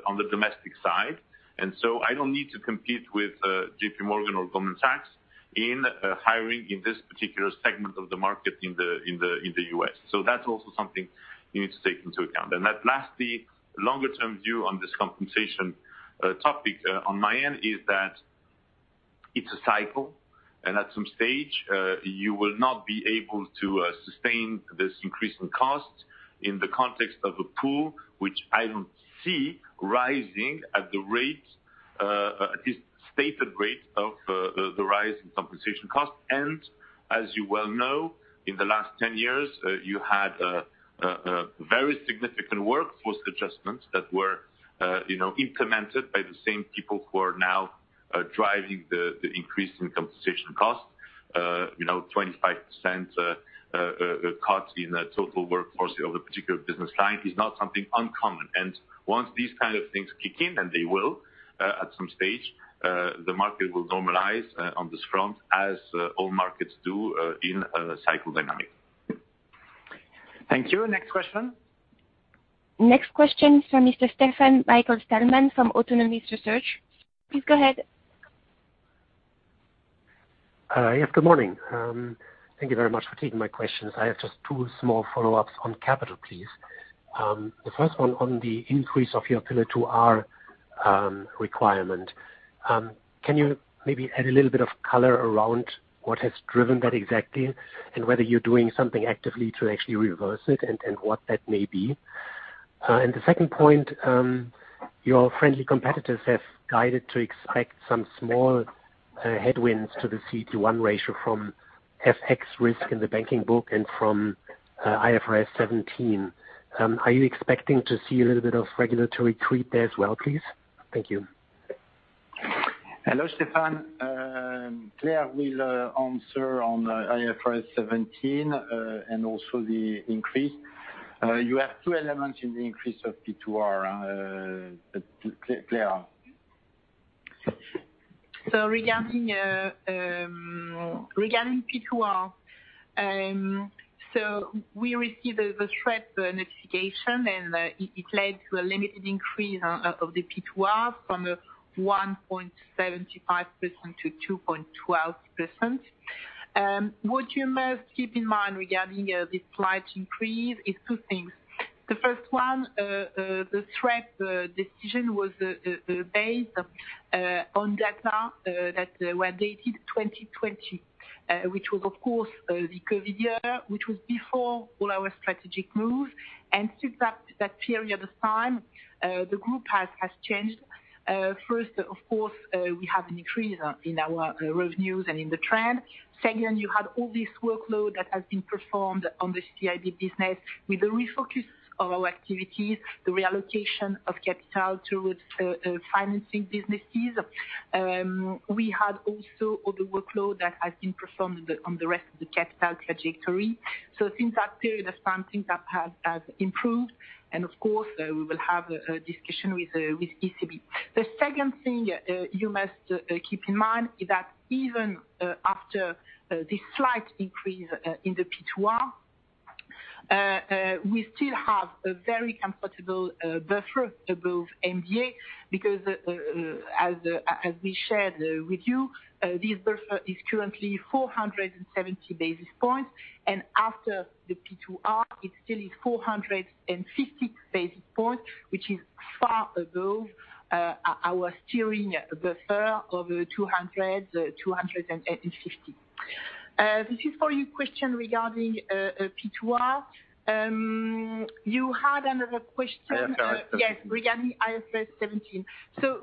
on the domestic side. I don't need to compete with JPMorgan or Goldman Sachs in hiring in this particular segment of the market in the US. That's also something you need to take into account. Lastly, longer-term view on this compensation topic on my end is that it's a cycle, and at some stage you will not be able to sustain this increase in costs in the context of a pool which I don't see rising at the rate at this stated rate of the rise in compensation costs. As you well know, in the last 10 years you had a very significant workforce adjustments that were, you know, implemented by the same people who are now driving the increase in compensation costs. You know, 25% cuts in the total workforce of a particular business line is not something uncommon. Once these kind of things kick in, and they will, at some stage, the market will normalize on this front as all markets do in cycle dynamic. Thank you. Next question. Next question is from Mr. Stefan-Michael Stalmann from Autonomous Research. Please go ahead. Yes, good morning. Thank you very much for taking my questions. I have just two small follow-ups on capital, please. The first one on the increase of your P2R requirement. Can you maybe add a little bit of color around what has driven that exactly, and whether you're doing something actively to actually reverse it and what that may be? The second point, your friendly competitors have guided to expect some small headwinds to the CET1 ratio from FX risk in the banking book and from IFRS 17. Are you expecting to see a little bit of regulatory creep there as well, please? Thank you. Hello, Stefan. Claire will answer on IFRS 17 and also the increase. You have two elements in the increase of P2R. Claire? Regarding P2R, we received the TRIM notification, and it led to a limited increase of the P2R from 1.75% to 2.12%. What you must keep in mind regarding this slight increase is two things. The first one, the TRIM decision was based on data that were dated 2020, which was of course the COVID year, which was before all our strategic moves. Since that period of time, the group has changed. First, of course, we have an increase in our revenues and in the trend. Second, you have all this workload that has been performed on the CIB business with the refocus of our activities, the reallocation of capital towards financing businesses. We had also all the work that has been performed on the rest of the capital trajectory. Since that period of time, things have improved. Of course, we will have a discussion with ECB. The second thing you must keep in mind is that even after this slight increase in the P2R, we still have a very comfortable buffer above MDA because as we shared with you, this buffer is currently 470 basis points, and after the P2R, it still is 450 basis points, which is far above our steering buffer of 200-250. This is for your question regarding P2R. You had another question. S orry. Yes, regarding IFRS 17.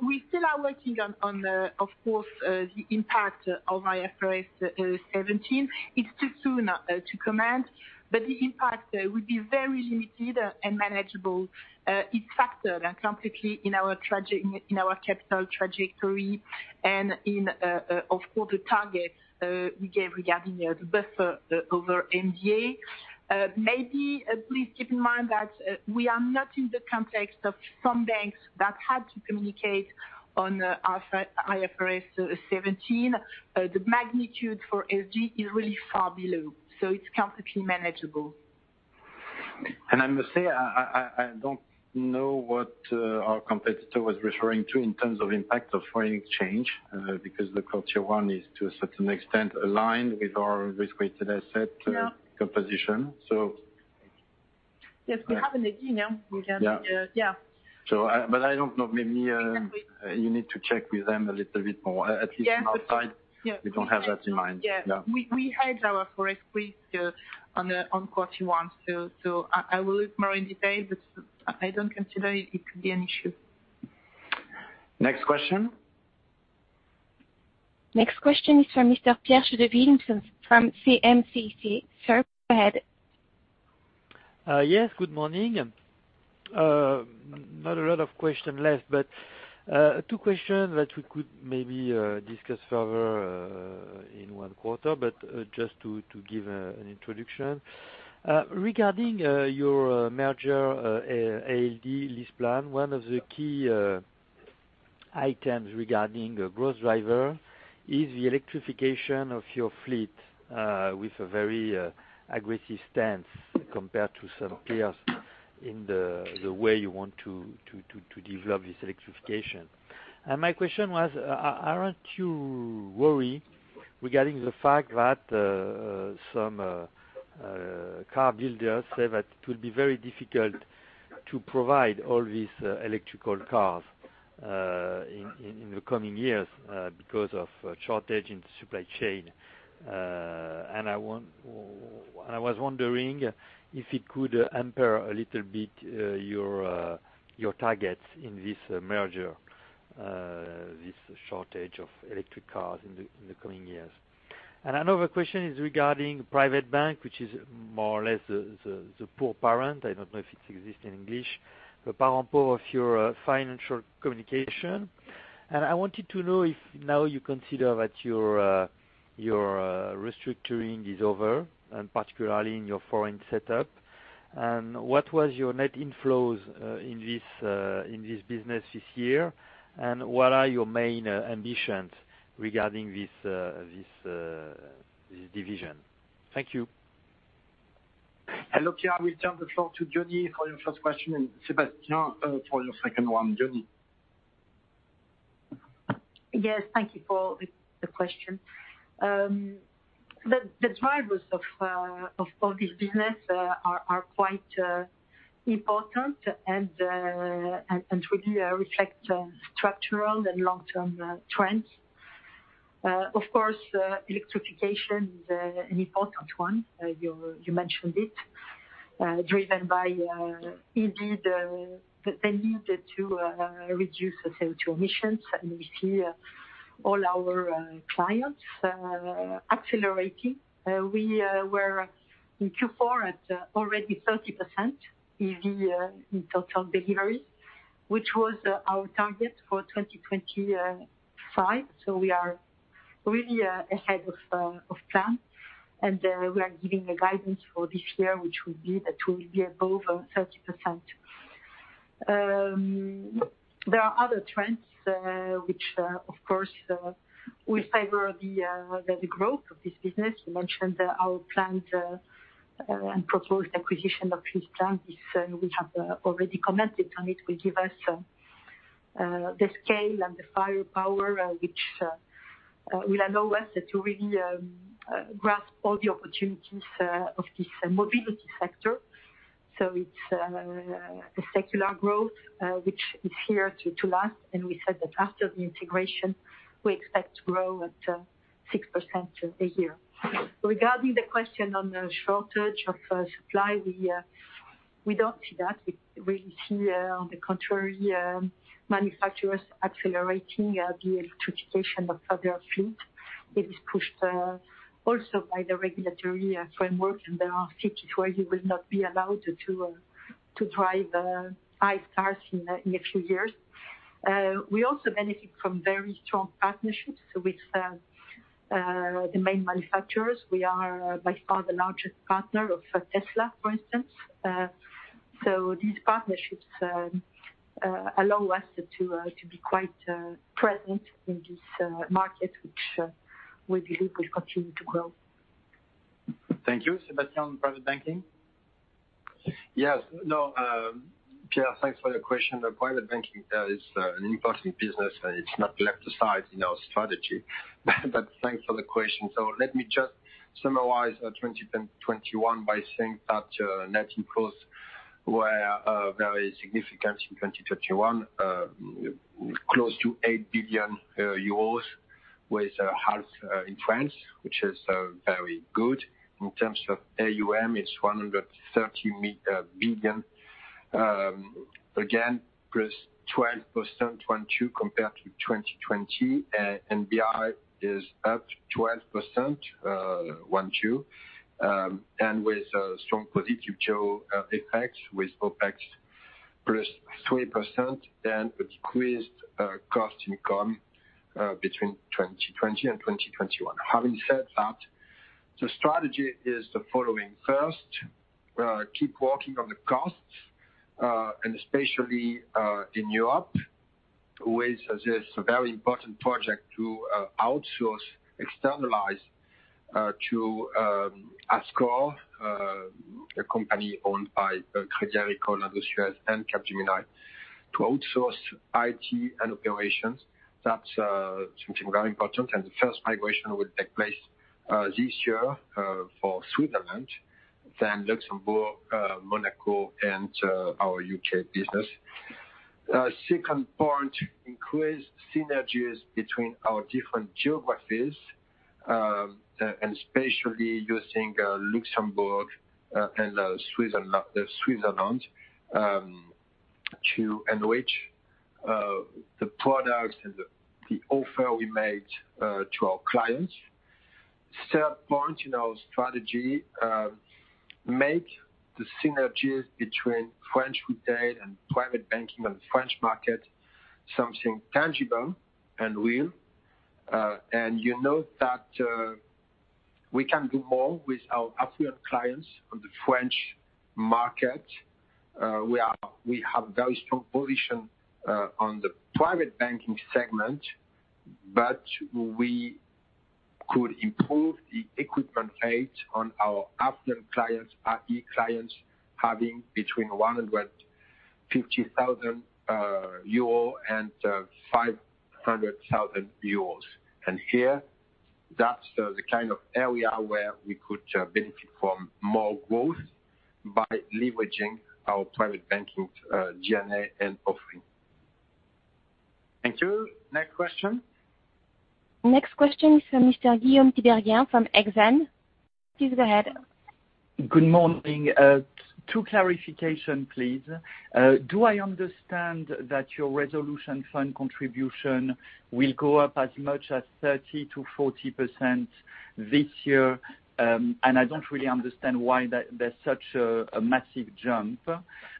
We still are working on the impact of IFRS 17. It's too soon to comment, but the impact will be very limited and manageable. It's factored and completely in our capital trajectory and in the target we gave regarding the buffer over MVA. Maybe please keep in mind that we are not in the context of some banks that had to communicate on IFRS 17. The magnitude for SG is really far below, so it's completely manageable. I must say, I don't know what our competitor was referring to in terms of impact of foreign exchange, because the capital one is to a certain extent aligned with our risk-weighted asset- Yeah. composition. So Yes, we have an idea. Yeah. Yeah. I don't know, maybe you need to check with them a little bit more. At least from our side- Yeah. We don't have that in mind. Yeah. No. We hedged our forex risk on quarter one, so I will look more in detail, but I don't consider it could be an issue. Next question. Next question is from Mr. Pierre Chedeville from CIC Market Solutions. Sir, go ahead. Yes, good morning. Not a lot of question left, but two questions that we could maybe discuss further in one quarter, but just to give an introduction. Regarding your merger, ALD LeasePlan, one of the key items regarding a growth driver is the electrification of your fleet with a very aggressive stance compared to some peers in the way you want to develop this electrification. My question was, aren't you worried regarding the fact that some [carmakers] say that it will be very difficult to provide all these electric cars in the coming years because of a shortage in supply chain? And I want... I was wondering if it could hamper a little bit your targets in this merger, this shortage of electric cars in the coming years. Another question is regarding private bank, which is more or less the poor parent. I don't know if it exists in English. The poor parent of your financial communication. I wanted to know if now you consider that your restructuring is over, and particularly in your foreign setup. What was your net inflows in this business this year? What are your main ambitions regarding this division? Thank you. Hello, Pierre. I will turn the floor to Dumas for your first question and Sébastien, for your second one. Dumas. Yes, thank you Pierre for the question. The drivers of all this business are quite important and really reflect structural and long-term trends. Of course, electrification is an important one, you mentioned it, driven by indeed the need to reduce the CO2 emissions. We see all our clients accelerating. We were in Q4 at already 30% EV in total deliveries, which was our target for 2025. We are really ahead of plan. We are giving a guidance for this year, which will be that we'll be above 30%. There are other trends which of course will favor the growth of this business. You mentioned our plan and proposed acquisition of LeasePlan. This we have already commented on it. It will give us the scale and the firepower which will allow us to really grasp all the opportunities of this mobility sector. It's a secular growth which is here to last. We said that after the integration, we expect to grow at 6% a year. Regarding the question on the shortage of supply, we don't see that. We really see on the contrary manufacturers accelerating the electrification of their fleet. It is pushed also by the regulatory framework, and there are cities where you will not be allowed to drive ICE cars in a few years. We also benefit from very strong partnerships with the main manufacturers. We are by far the largest partner of Tesla, for instance. These partnerships allow us to be quite present in this market, which we believe will continue to grow. Thank you. Sébastien, private banking. Yes. No, Pierre, thanks for your question. Private banking is an important business. It's not left aside in our strategy. Thanks for the question. Let me just summarize 2021 by saying that net inflows We were very significant in 2021, close to 8 billion euros with half in France, which is very good. In terms of AUM, it's 130 billion. Again, +12% 2022 compared to 2020. NBI is up 12% 2022. With a strong positive geo effect, with OpEx +20%, then decreased cost/income between 2020 and 2021. Having said that, the strategy is the following. First, keep working on the costs, and especially in Europe, with this very important project to outsource, externalize to Azqore, a company owned by Crédit Agricole Indosuez and Capgemini, to outsource IT and operations. That's something very important. The first migration will take place this year for Switzerland, then Luxembourg, Monaco, and our UK business. Second point, increase synergies between our different geographies and especially using Luxembourg and Switzerland to enrich the products and the offer we make to our clients. Third point in our strategy, make the synergies between French Retail and Private Banking on the French market something tangible and real. You know that we can do more with our affluent clients on the French market. We have very strong position on the private banking segment, but we could improve the [equitisation] on our affluent clients, retail clients, having between 150,000 euro and 500,000 euros. Here, that's the kind of area where we could benefit from more growth by leveraging our private banking G&A and offering. Thank you. Next question. Next question is from Mr. Guillaume Tiberghien from Exane. Please go ahead. Good morning. Two clarifications, please. Do I understand that your resolution fund contribution will go up as much as 30%-40% this year? I don't really understand why there's such a massive jump.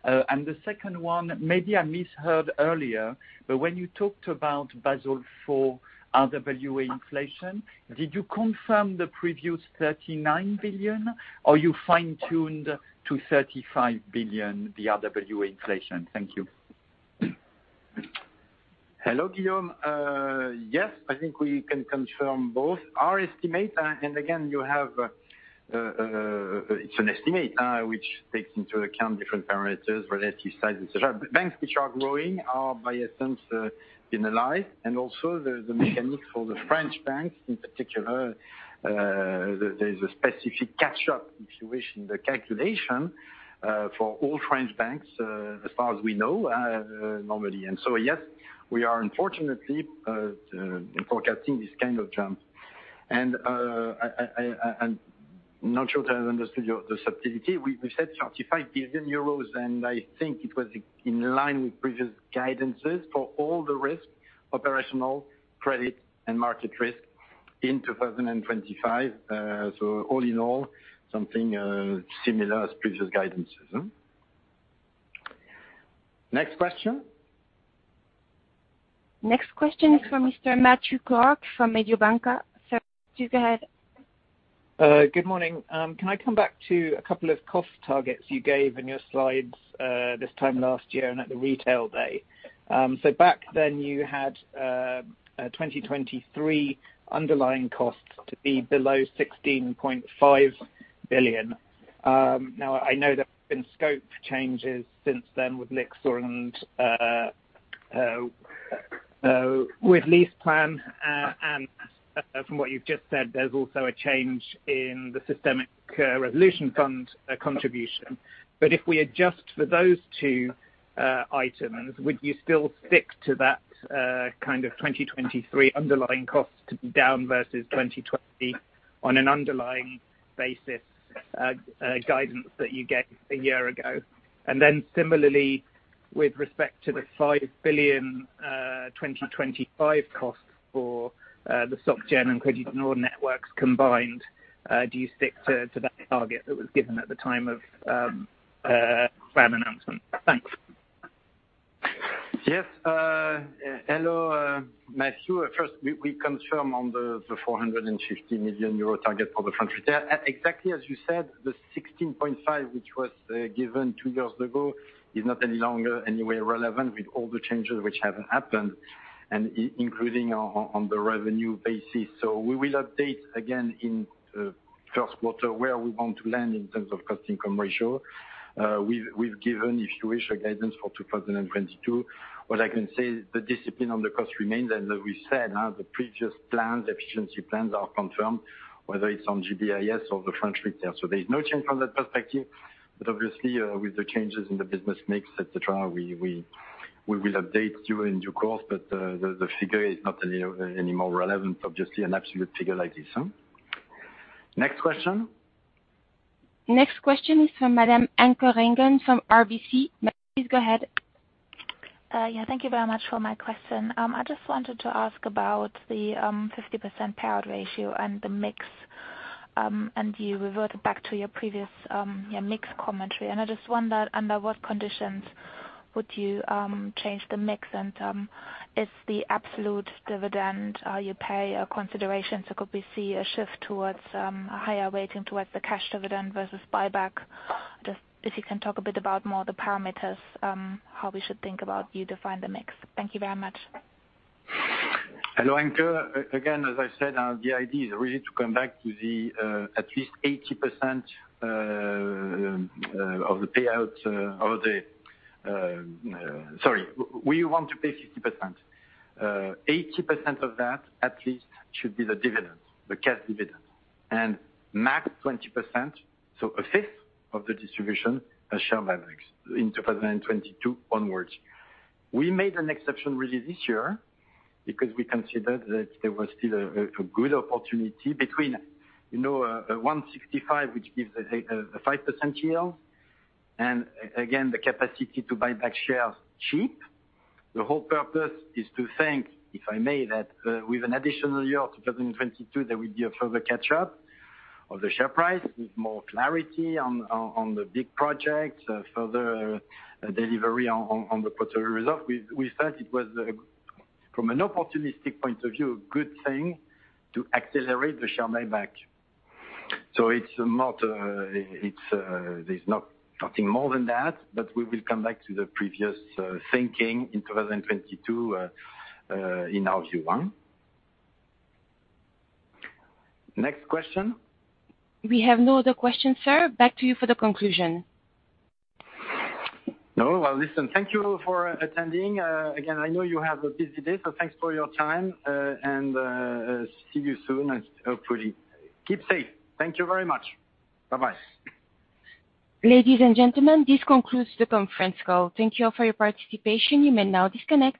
The second one, maybe I misheard earlier, but when you talked about Basel IV RWA inflation, did you confirm the previous 39 billion or you fine-tuned to 35 billion the RWA inflation? Thank you. Hello, Guillaume. Yes, I think we can confirm both our estimate. Again, you have, it's an estimate, which takes into account different parameters, relative size and so on. Banks which are growing are by essence penalized. Also the mechanics for the French banks in particular, there's a specific catch-up situation, the calculation for all French banks, as far as we know, normally. Yes, we are unfortunately forecasting this kind of jump. I'm not sure to have understood your, the subtlety. We said 35 billion euros, and I think it was in line with previous guidances for all the risk, operational, credit, and market risk in 2025. All in all, something similar as previous guidances. Next question. Next question is from Matthew Clark from Mediobanca. Sir, you go ahead. Good morning. Can I come back to a couple of cost targets you gave in your slides, this time last year and at the Retail Day? Back then you had a 2023 underlying cost to be below 16.5 billion. Now I know there have been scope changes since then with Lyxor and with LeasePlan, and from what you've just said, there's also a change in the Single Resolution Fund contribution. If we adjust for those two items, would you still stick to that kind of 2023 underlying cost to be down versus 2020 on an underlying basis guidance that you gave a year ago? With respect to the 5 billion 2025 cost for the Société Générale and Crédit du Nord networks combined, do you stick to that target that was given at the time of plan announcement? Thanks. Yes. Hello, Matthew. First, we confirm on the 450 million euro target for the French retail. Exactly as you said, the 16.5%, which was given two years ago, is not any longer in any way relevant with all the changes which have happened, and including on the revenue basis. We will update again in first quarter where we want to land in terms of cost-income ratio. We've given, if you wish, a guidance for 2022. What I can say, the discipline on the cost remains. As we said, the previous plans, efficiency plans are confirmed, whether it's on GBIS or the French retail. There's no change from that perspective, but obviously, with the changes in the business mix, et cetera, we will update you in due course, but, the figure is not any more relevant, obviously, an absolute figure like this. Next question. Next question is from Madam Anke Reingen from RBC. Please go ahead. Thank you very much for my question. I just wanted to ask about the 50% payout ratio and the mix. You reverted back to your previous mix commentary. I just wondered under what conditions would you change the mix, and is the absolute dividend you pay a consideration? Could we see a shift towards a higher weighting towards the cash dividend versus buyback? Just if you can talk a bit about more the parameters how we should think about you define the mix. Thank you very much. Hello, Anke. Again, as I said, the idea is really to come back to at least 80% of the payout. We want to pay 50%. 80% of that at least should be the dividends, the cash dividends. Max 20%, so a fifth of the distribution, as share buybacks in 2022 onwards. We made an exception really this year because we considered that there was still a good opportunity between, you know, 165, which gives a 5% yield, and again, the capacity to buy back shares cheap. The whole purpose is to think, if I may, that with an additional year of 2022, there will be a further catch-up of the share price with more clarity on the big projects, a further delivery on the portfolio results. We thought it was from an opportunistic point of view, a good thing to accelerate the share buyback. It's not. It's there's not nothing more than that, but we will come back to the previous thinking in 2022 in our Q1. Next question. We have no other questions, sir. Back to you for the conclusion. No? Well, listen, thank you for attending. Again, I know you have a busy day, so thanks for your time, and see you soon, and hopefully keep safe. Thank you very much. Bye-bye. Ladies and gentlemen, this concludes the conference call. Thank you all for your participation. You may now disconnect.